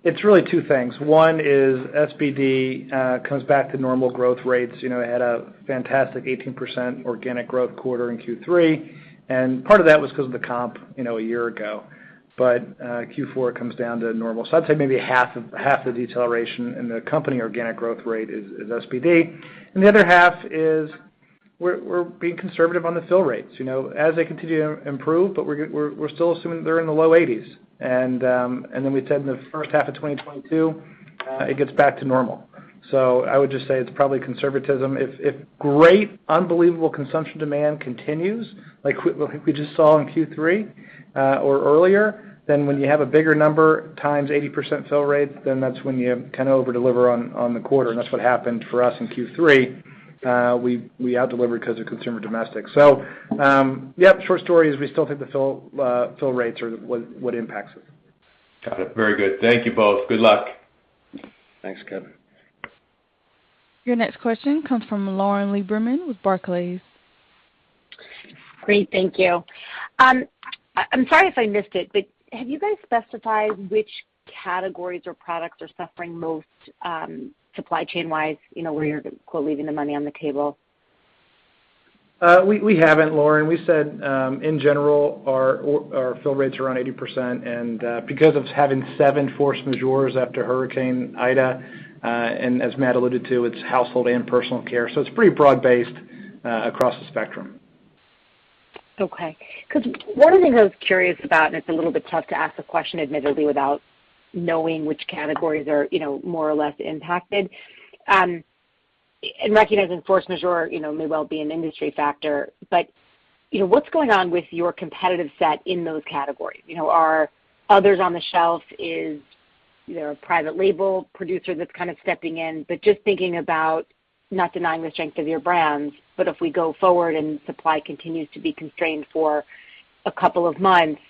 It's really two things. One is SPD comes back to normal growth rates, you know, at a fantastic 18% organic growth quarter in Q3, and part of that was because of the comp, you know, a year ago. Q4 comes down to normal. I'd say maybe half the deceleration in the company's organic growth rate is SPD. The other half is we're being conservative on the fill rates, you know, as they continue to improve, but we're still assuming they're in the low 80s. Then we said in the first half of 2022 it gets back to normal. I would just say it's probably conservatism. If great, unbelievable consumer demand continues, like we just saw in Q3 or earlier, then when you have a bigger number times 80% fill rate, then that's when you kind of over-deliver on the quarter, and that's what happened for us in Q3. We outdelivered because of domestic consumer. Short story is we still think the fill rates are what impacts us. Got it. Very good. Thank you both. Good luck. Thanks, Kevin. Your next question comes from Lauren Lieberman with Barclays. Great. Thank you. I'm sorry if I missed it, but have you guys specified which categories or products are suffering most, supply chain-wise, you know, where you're quote, "Leaving the money on the table? We haven't, Lauren. We said in general our fill rates are around 80%, and because of having seven force majeures after Hurricane Ida, and as Matt alluded to, it's household and personal care, so it's pretty broad-based across the spectrum. Okay. 'Cause one of the things I was curious about, and it's a little bit tough to ask the question admittedly without knowing which categories are, you know, more or less impacted, and recognizing force majeure, you know, may well be an industry factor. You know, what's going on with your competitive set in those categories? You know, are others on the shelf? Is a private label producer that's kind of stepping in? Just thinking about not denying the strength of your brands, but if we go forward and supply continues to be constrained for a couple of months,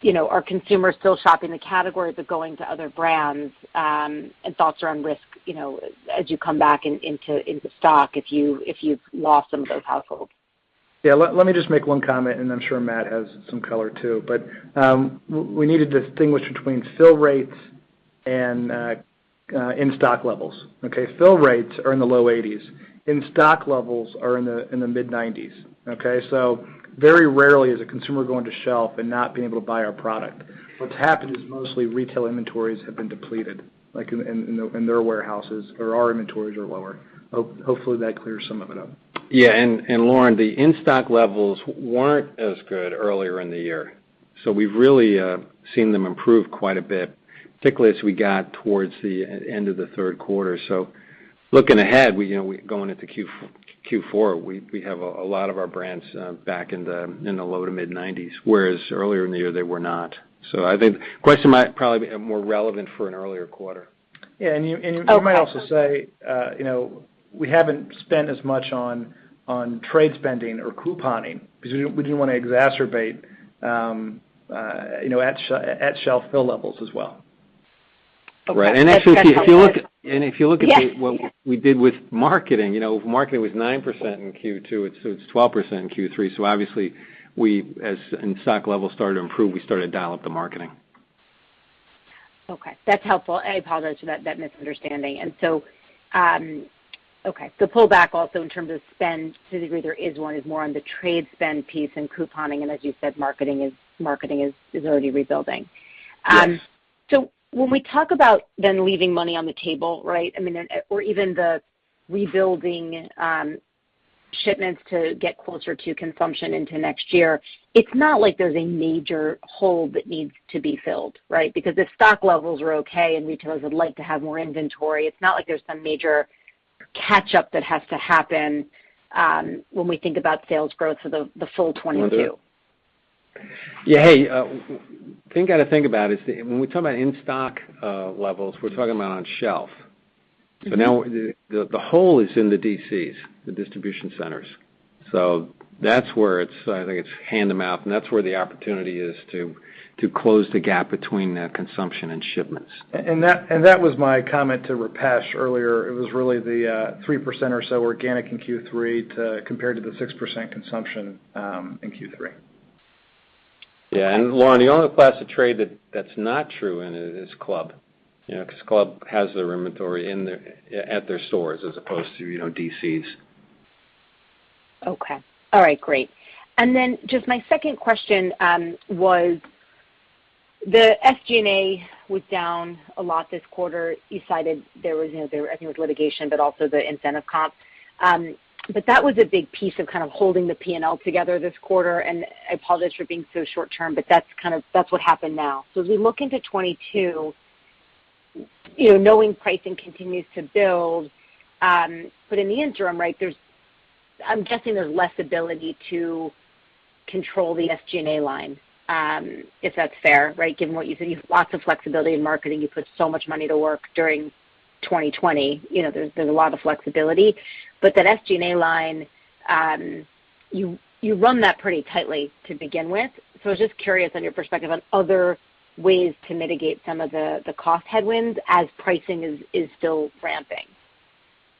you know, are consumers still shopping the category but going to other brands, and thoughts around risk, you know, as you come back in, into stock if you've lost some of those households. Let me just make one comment, and I'm sure Matt has some color too. We need to distinguish between fill rates and in-stock levels. Okay? Fill rates are in the low 80s%. In-stock levels are in the mid-90s%. Okay? Very rarely is a consumer going to shelf and not being able to buy our product. What's happened is mostly retail inventories have been depleted, like in their warehouses or our inventories are lower. Hopefully, that clears some of it up. Yeah. Lauren, the in-stock levels weren't as good earlier in the year, so we've really seen them improve quite a bit, particularly as we got towards the end of the third quarter. Looking ahead, you know, going into Q4, we have a lot of our brands back in the low- to mid-90s%, whereas earlier in the year they were not. I think the question might probably be more relevant for an earlier quarter. Yeah. Okay. We might also say, you know, we haven't spent as much on trade spending or couponing because we didn't wanna exacerbate, you know, at shelf fill levels as well. Okay. Right. Actually, if you look at- Yes. What we did with marketing, you know, marketing was 9% in Q2, it's 12% in Q3, so obviously, as stock levels started to improve, we started to dial up the marketing. Okay. That's helpful, and I apologize for that misunderstanding. Pull back also in terms of spend to the degree there is one is more on the trade spend piece and couponing, and as you said, marketing is already rebuilding. Yes. When we talk about then leaving money on the table, right? I mean, or even the rebuilding, shipments to get closer to consumption into next year, it's not like there's a major hole that needs to be filled, right? Because if stock levels are okay and retailers would like to have more inventory, it's not like there's some major catch-up that has to happen, when we think about sales growth for the full 2022. Yeah. Hey, thing you gotta think about is when we talk about in-stock levels, we're talking about on shelf. Mm-hmm. Now the hole is in the DCs, the distribution centers. That's where it's, I think it's hand to mouth, and that's where the opportunity is to close the gap between the consumption and shipments. That was my comment to Rupesh earlier. It was really the 3% or so organic in Q3, compared to the 6% consumption in Q3. Yeah. Lauren, the only class of trade that's not true in it is club. You know, 'cause club has their inventory at their stores as opposed to, you know, DCs. Okay. All right, great. Then just my second question was the SG&A down a lot this quarter. You cited there was, you know, I think it was litigation, but also the incentive comp. But that was a big piece of kind of holding the P&L together this quarter, and I apologize for being so short-term, but that's kind of what happened now. As we look into 2022, you know, knowing pricing continues to build, but in the interim, right, I'm guessing there's less ability to control the SG&A line, if that's fair, right? Given what you said, you have lots of flexibility in marketing. You put so much money to work during 2020, you know, there's a lot of flexibility. But that SG&A line, you run that pretty tightly to begin with. I was just curious on your perspective on other ways to mitigate some of the cost headwinds as pricing is still ramping.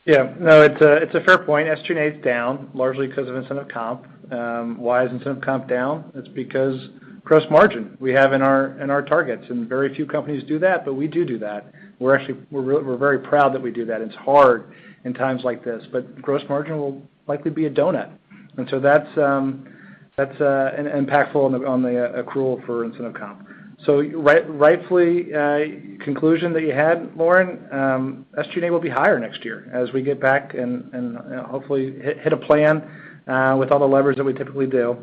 Yeah. No, it's a fair point. SG&A is down largely 'cause of incentive comp. Why is incentive comp down? It's because gross margin we have in our targets, and very few companies do that, but we do that. We're very proud that we do that. It's hard in times like this, but gross margin will likely be a donut. That's an impact on the accrual for incentive comp. So, rightfully, the conclusion that you had, Lauren, SG&A will be higher next year as we get back and you know, hopefully hit a plan with all the levers that we typically do.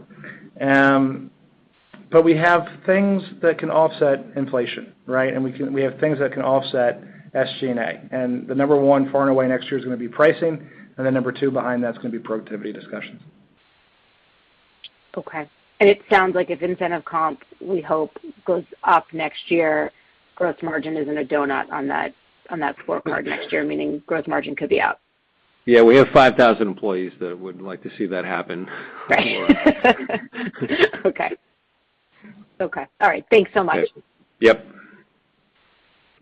We have things that can offset inflation, right? We have things that can offset SG&A. The number one far and away next year is gonna be pricing, and then number two behind that's gonna be productivity discussions. Okay. It sounds like if incentive comp, we hope, goes up next year, gross margin isn't a drag on that scorecard next year, meaning gross margin could be up. Yeah. We have 5,000 employees that would like to see that happen. Right. Okay. All right. Thanks so much. Yep.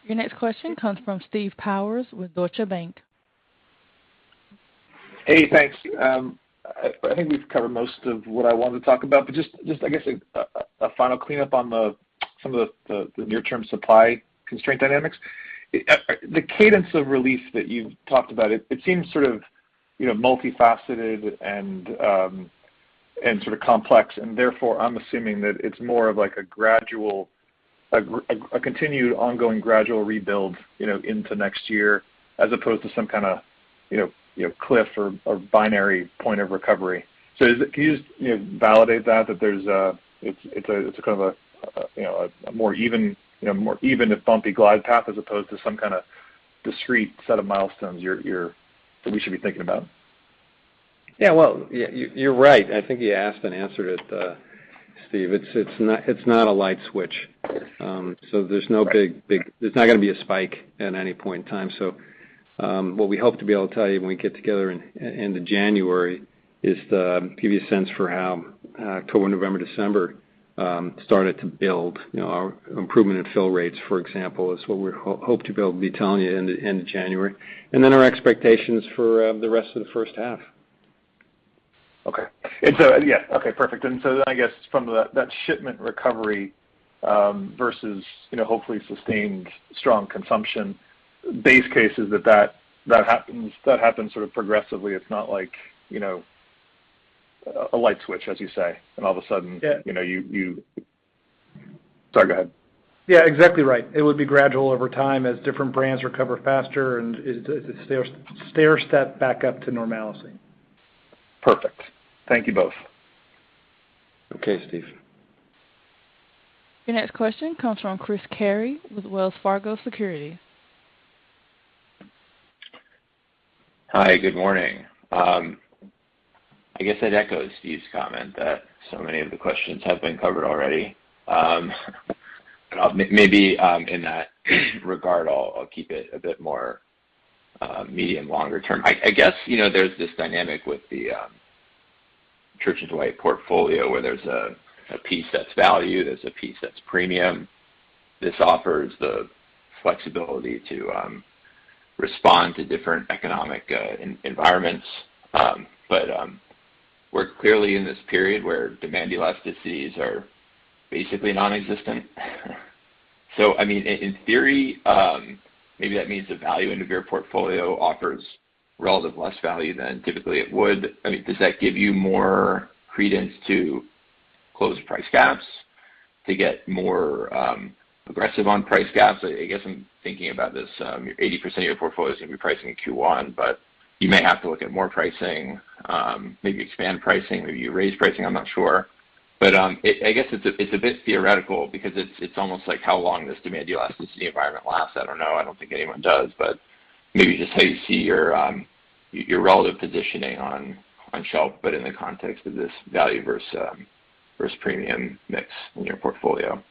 Your next question comes from Steve Powers with Deutsche Bank. Hey, thanks. I think we've covered most of what I wanted to talk about, but I guess a final cleanup on some of the near-term supply constraint dynamics. The cadence of relief that you've talked about seems sort of you know multifaceted and sort of complex, and therefore I'm assuming that it's more of like a gradual continued ongoing gradual rebuild you know into next year as opposed to some kinda you know cliff or binary point of recovery. Can you just, you know, validate that it's a kind of a more even, you know, if bumpy glide path as opposed to some kind of discrete set of milestones that we should be thinking about? Well, you're right. I think you asked and answered it, Steve. It's not a light switch. There's not gonna be a spike at any point in time. What we hope to be able to tell you when we get together at the end of January is to give you a sense for how October, November, December started to build, you know, our improvement in fill rates, for example, is what we hope to be able to be telling you at the end of January. Our expectations for the rest of the first half. Okay. Yeah. Okay, perfect. I guess from that shipment recovery versus, you know, hopefully sustained strong consumption base cases that happens sort of progressively. It's not like, you know, a light switch, as you say, and all of a sudden. Yeah. You know, you... Sorry, go ahead. Yeah, exactly right. It would be gradual over time as different brands recover faster and it stair-step back up to normalcy. Perfect. Thank you both. Okay, Steve. Your next question comes from Chris Carey with Wells Fargo Securities. Hi, good morning. I guess I'd echo Steve's comment that so many of the questions have been covered already. I'll maybe, in that regard, keep it a bit more medium, longer term. I guess, you know, there's this dynamic with the Church & Dwight portfolio where there's a piece that's value, there's a piece that's premium. This offers the flexibility to respond to different economic environments. We're clearly in this period where demand elasticities are basically nonexistent. I mean, in theory, maybe that means the value end of your portfolio offers relative less value than typically it would. I mean, does that give you more credence to close price gaps to get more aggressive on price gaps? I guess I'm thinking about this, your 80% of your portfolio is gonna be pricing in Q1, but you may have to look at more pricing, maybe expand pricing, maybe you raise pricing, I'm not sure. I guess it's a bit theoretical because it's almost like how long this demand elasticity environment lasts. I don't know. I don't think anyone does. Maybe just how you see your relative positioning on shelf, but in the context of this value versus premium mix in your portfolio.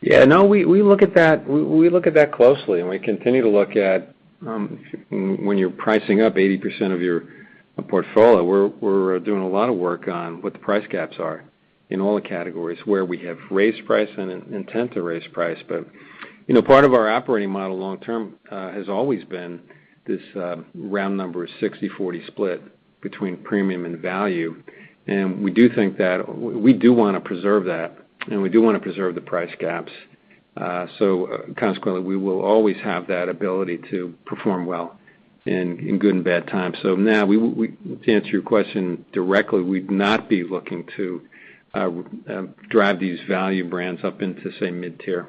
Yeah, no, we look at that closely, and we continue to look at when you're pricing up 80% of your portfolio, we're doing a lot of work on what the price gaps are in all the categories where we have raised price and intend to raise price. You know, part of our operating model long term has always been this round number 60-40 split between premium and value. We do think that we do wanna preserve that, and we do wanna preserve the price gaps. Consequently, we will always have that ability to perform well in good and bad times. No, to answer your question directly, we'd not be looking to drive these value brands up into, say, mid-tier.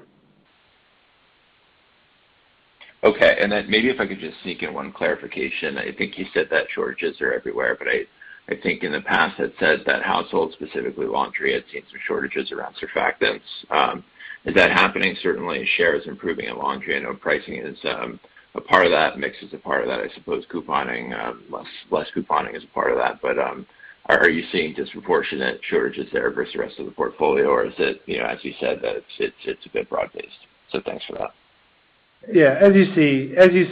Okay. Then maybe if I could just sneak in one clarification. I think you said that shortages are everywhere, but I think in the past had said that households, specifically laundry, had seen some shortages around surfactants. Is that happening? Certainly share is improving in laundry. I know pricing is a part of that, mix is a part of that. I suppose couponing, less couponing is a part of that. But are you seeing disproportionate shortages there versus the rest of the portfolio? Or is it, you know, as you said, that it's a bit broad-based? Thanks for that. Yeah, as you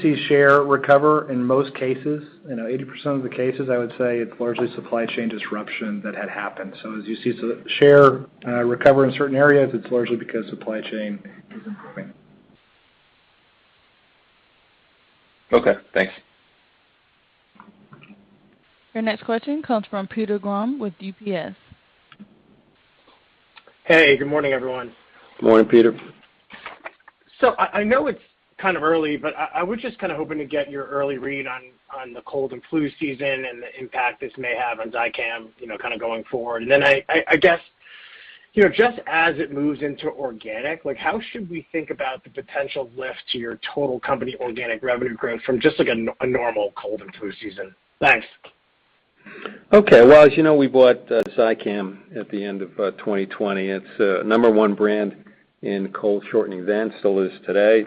see share recovery in most cases, you know, 80% of the cases, I would say it's largely supply chain disruption that had happened. As you see share recovery in certain areas, it's largely because supply chain is improving. Okay, thanks. Your next question comes from Peter Grom with UBS. Hey, good morning, everyone. Morning, Peter. I know it's kind of early, but I was just kinda hoping to get your early read on the cold and flu season and the impact this may have on Zicam, you know, kinda going forward. I guess, you know, just as it moves into organic, like how should we think about the potential lift to your total company organic revenue growth from just like a normal cold and flu season? Thanks. Okay. Well, as you know, we bought Zicam at the end of 2020. It's a number one brand in cold shortening then, still is today.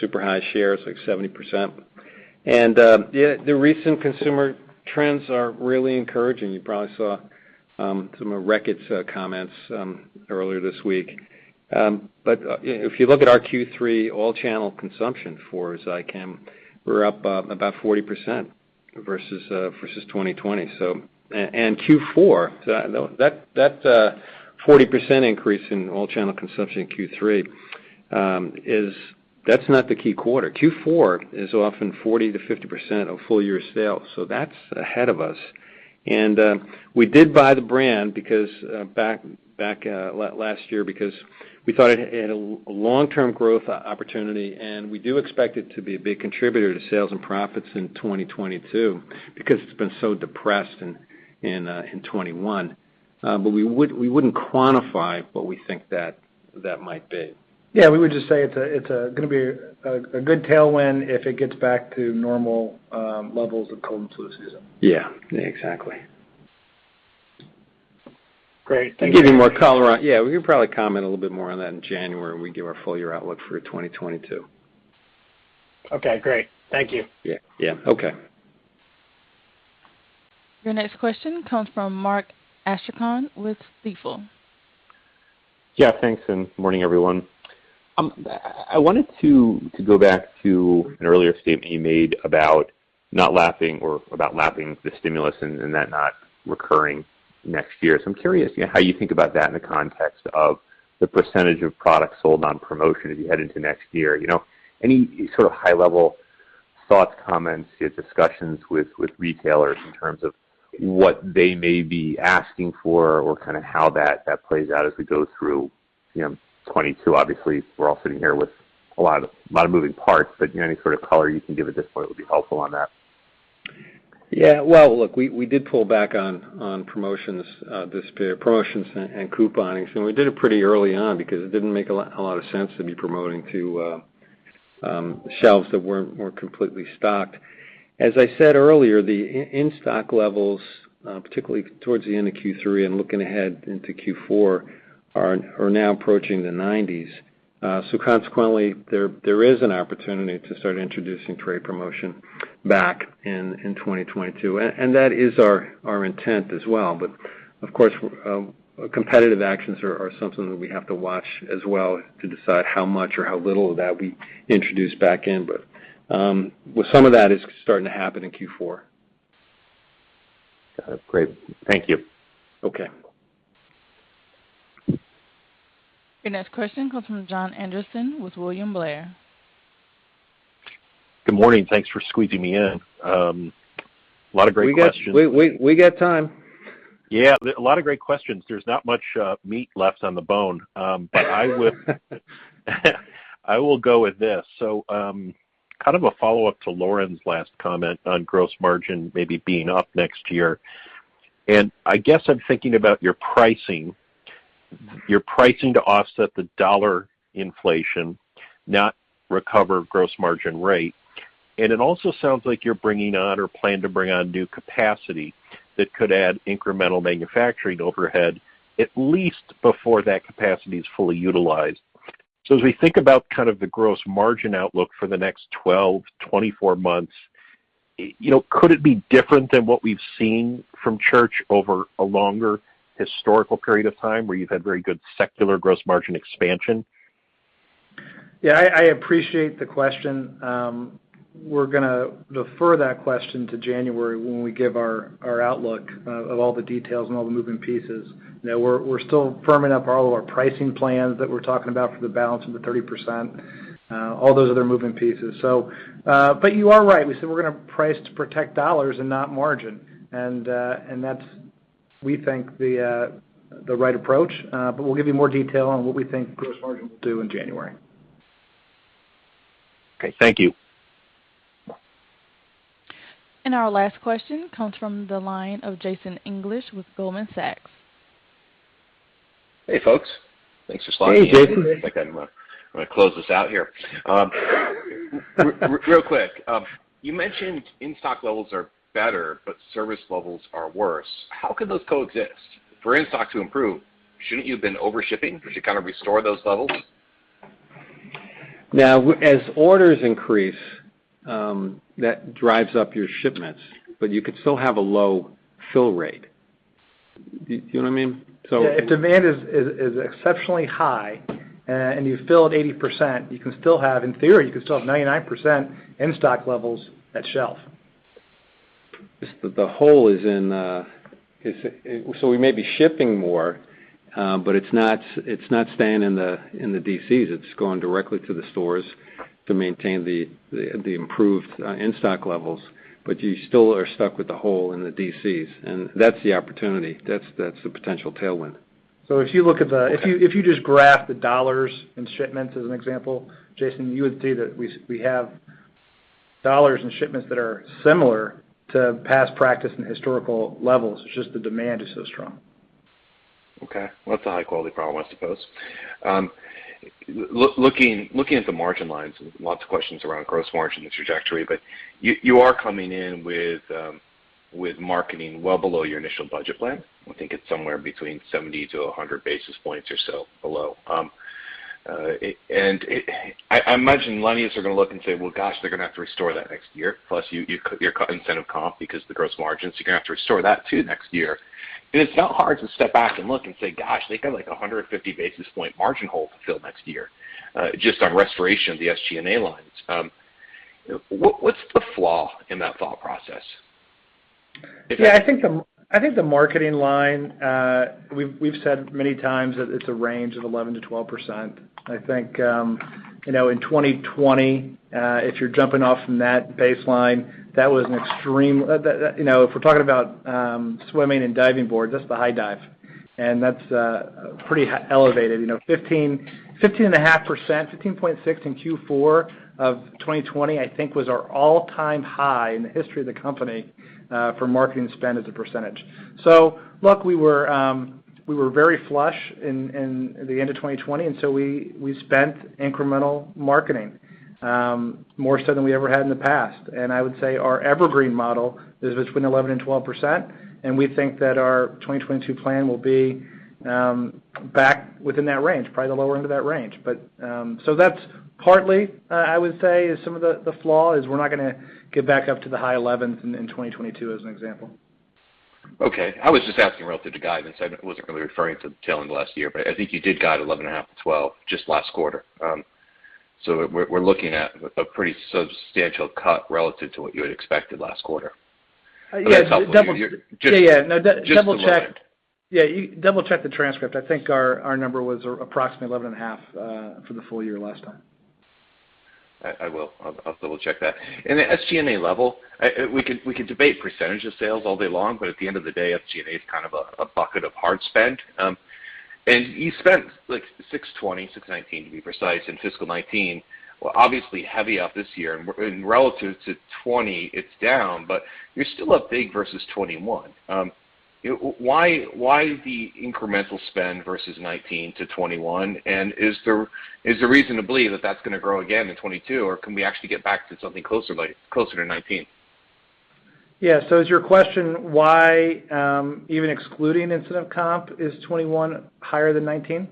Super high shares, like 70%. Yeah, the recent consumer trends are really encouraging. You probably saw some of Reckitt's comments earlier this week. If you look at our Q3 all channel consumption for Zicam, we're up about 40% versus 2020. And Q4, so that 40% increase in all channel consumption in Q3, that's not the key quarter. Q4 is often 40%-50% of full year sales. That's ahead of us. We did buy the brand because back last year because we thought it had a long-term growth opportunity, and we do expect it to be a big contributor to sales and profits in 2022, because it's been so depressed in 2021. But we wouldn't quantify what we think that might be. Yeah, we would just say it's gonna be a good tailwind if it gets back to normal levels of cold and flu season. Yeah. Yeah, exactly. Great. Thank you. Yeah, we can probably comment a little bit more on that in January when we give our full year outlook for 2022. Okay, great. Thank you. Yeah. Yeah. Okay. Your next question comes from Mark Astrachan with Stifel. Yeah, thanks, and good morning, everyone. I wanted to go back to an earlier statement you made about not lapping or about lapping the stimulus and that not recurring next year. I'm curious, you know, how you think about that in the context of the percentage of products sold on promotion as you head into next year. You know, any sort of high level thoughts, comments, discussions with retailers in terms of what they may be asking for or kind of how that plays out as we go through, you know, 2022? Obviously, we're all sitting here with a lot of moving parts, but any sort of color you can give at this point would be helpful on that. Yeah. Well, look, we did pull back on promotions and couponing. We did it pretty early on because it didn't make a lot of sense to be promoting to shelves that weren't completely stocked. As I said earlier, the in-stock levels, particularly towards the end of Q3 and looking ahead into Q4, are now approaching the 90s. So consequently, there is an opportunity to start introducing trade promotion back in 2022. And that is our intent as well. But of course, competitive actions are something that we have to watch as well to decide how much or how little of that we introduce back in. But with some of that is starting to happen in Q4. Got it. Great. Thank you. Okay. Your next question comes from Jon Andersen with William Blair. Good morning. Thanks for squeezing me in. Lot of great questions. We got time. Yeah. A lot of great questions. There's not much meat left on the bone. I will go with this. Kind of a follow-up to Lauren's last comment on gross margin maybe being up next year. I guess I'm thinking about your pricing, your pricing to offset the dollar inflation, not recover gross margin rate. It also sounds like you're bringing on or plan to bring on new capacity that could add incremental manufacturing overhead, at least before that capacity is fully utilized. As we think about kind of the gross margin outlook for the next 12, 24 months, you know, could it be different than what we've seen from Church over a longer historical period of time where you've had very good secular gross margin expansion? Yeah, I appreciate the question. We're gonna defer that question to January when we give our outlook of all the details and all the moving pieces. You know, we're still firming up all of our pricing plans that we're talking about for the balance of the 30%, all those other moving pieces. You are right. We said we're gonna price to protect dollars and not margin. That's what we think is the right approach. We'll give you more detail on what we think gross margin will do in January. Okay, thank you. Our last question comes from the line of Jason English with Goldman Sachs. Hey, folks. Thanks for sliding in. Hey, Jason. Like I'm gonna close this out here. Real quick. You mentioned in-stock levels are better, but service levels are worse. How could those coexist? For in-stock to improve, shouldn't you have been over shipping to kind of restore those levels? Now, as orders increase, that drives up your shipments, but you could still have a low fill rate. You know what I mean? Yeah, if demand is exceptionally high and you fill it 80%, you can still have 99% in-stock levels at shelf. In theory, you can still have 99% in-stock levels at shelf. We may be shipping more, but it's not staying in the DCs. It's going directly to the stores to maintain the improved in-stock levels. You still are stuck with the hole in the DCs, and that's the opportunity. That's the potential tailwind. If you look at the- Okay. If you just graph the dollars in shipments, as an example, Jason, you would see that we have dollars in shipments that are similar to past practice and historical levels. It's just the demand is so strong. Okay. Well, that's a high-quality problem, I suppose. Looking at the margin lines, lots of questions around gross margin, the trajectory, but you are coming in with marketing well below your initial budget plan. I think it's somewhere between 70-100 basis points or so below. And it. I imagine lenders are gonna look and say, "Well, gosh, they're gonna have to restore that next year," plus you cut your incentive comp because of the gross margins. You're gonna have to restore that too next year. It's not hard to step back and look and say, "Gosh, they got like 150 basis point margin hole to fill next year," just on restoration of the SG&A lines. What's the flaw in that thought process? Yeah, I think the marketing line, we've said many times that it's a range of 11%-12%. I think, you know, in 2020, if you're jumping off from that baseline, that was an extreme. That you know, if we're talking about swimming and diving board, that's the high dive, and that's pretty elevated. You know, 15.5%, 15.6% in Q4 of 2020, I think was our all-time high in the history of the company for marketing spend as a percentage. Look, we were very flush in the end of 2020, and so we spent incremental marketing more so than we ever had in the past. I would say our evergreen model is between 11%-12%, and we think that our 2022 plan will be back within that range, probably the lower end of that range. That's partly, I would say is some of the flaw is we're not gonna get back up to the high 11s in 2022 as an example. Okay. I was just asking relative to guidance. I wasn't really referring to tail end of last year, but I think you did guide 11%-12% just last quarter. We're looking at a pretty substantial cut relative to what you had expected last quarter. Yes. That's helpful. You're just- Yeah, yeah. No. Just to clarify. Double check. Yeah. You double check the transcript. I think our number was approximately 11.5 for the full year last time. I will. I'll double check that. In the SG&A level, we can debate percentage of sales all day long, but at the end of the day, SG&A is kind of a bucket of hard spend. And you spent like $620, $619 to be precise in fiscal 2019. Well, obviously heavy up this year and relative to 2020 it's down, but you're still up big versus 2021. Why the incremental spend versus 2019 to 2021? And is there reason to believe that that's gonna grow again in 2022, or can we actually get back to something closer to 2019? Yeah. Is your question why, even excluding incentive comp, 2021 is higher than 2019?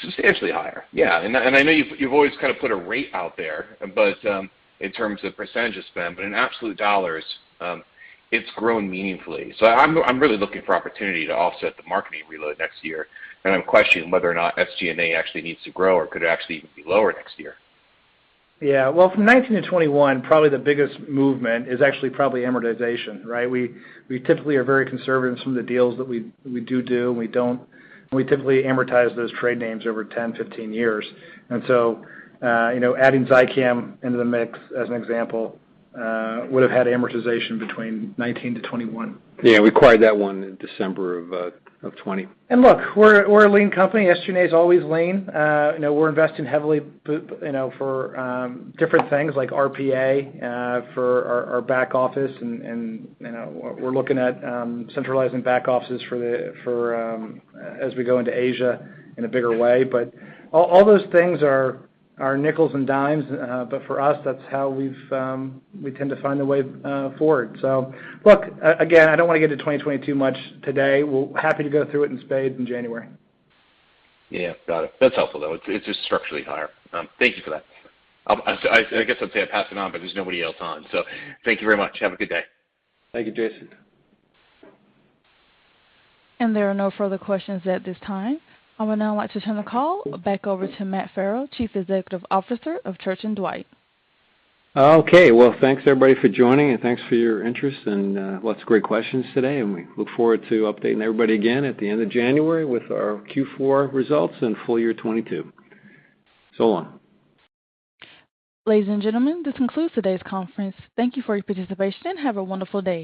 Substantially higher. Yeah. I know you've always kind of put a rate out there, but in terms of percentage of spend, but in absolute dollars, it's grown meaningfully. I'm really looking for opportunity to offset the marketing reload next year and I'm questioning whether or not SG&A actually needs to grow or could it actually even be lower next year. Yeah. Well, from 2019 to 2021, probably the biggest movement is actually probably amortization, right? We typically are very conservative in some of the deals that we do and we don't. We typically amortize those trade names over 10, 15 years. You know, adding Zicam into the mix as an example, would've had amortization between 2019 to 2021. Yeah. We acquired that one in December of 2020. Look, we're a lean company. SG&A is always lean. You know, we're investing heavily, you know, for different things like RPA for our back office and you know, we're looking at centralizing back offices for as we go into Asia in a bigger way. All those things are nickels and dimes. For us that's how we tend to find a way forward. Look, again, I don't wanna get to 2022 much today. We're happy to go through it in spades in January. Yeah. Got it. That's helpful though. It's just structurally higher. Thank you for that. I so I guess I'd say I pass it on, but there's nobody else on. Thank you very much. Have a good day. Thank you, Jason. There are no further questions at this time. I would now like to turn the call back over to Matthew Farrell, Chief Executive Officer of Church & Dwight. Okay. Well, thanks everybody for joining and thanks for your interest and, lots of great questions today, and we look forward to updating everybody again at the end of January with our Q4 results and full year 2022. So long. Ladies and gentlemen, this concludes today's conference. Thank you for your participation. Have a wonderful day.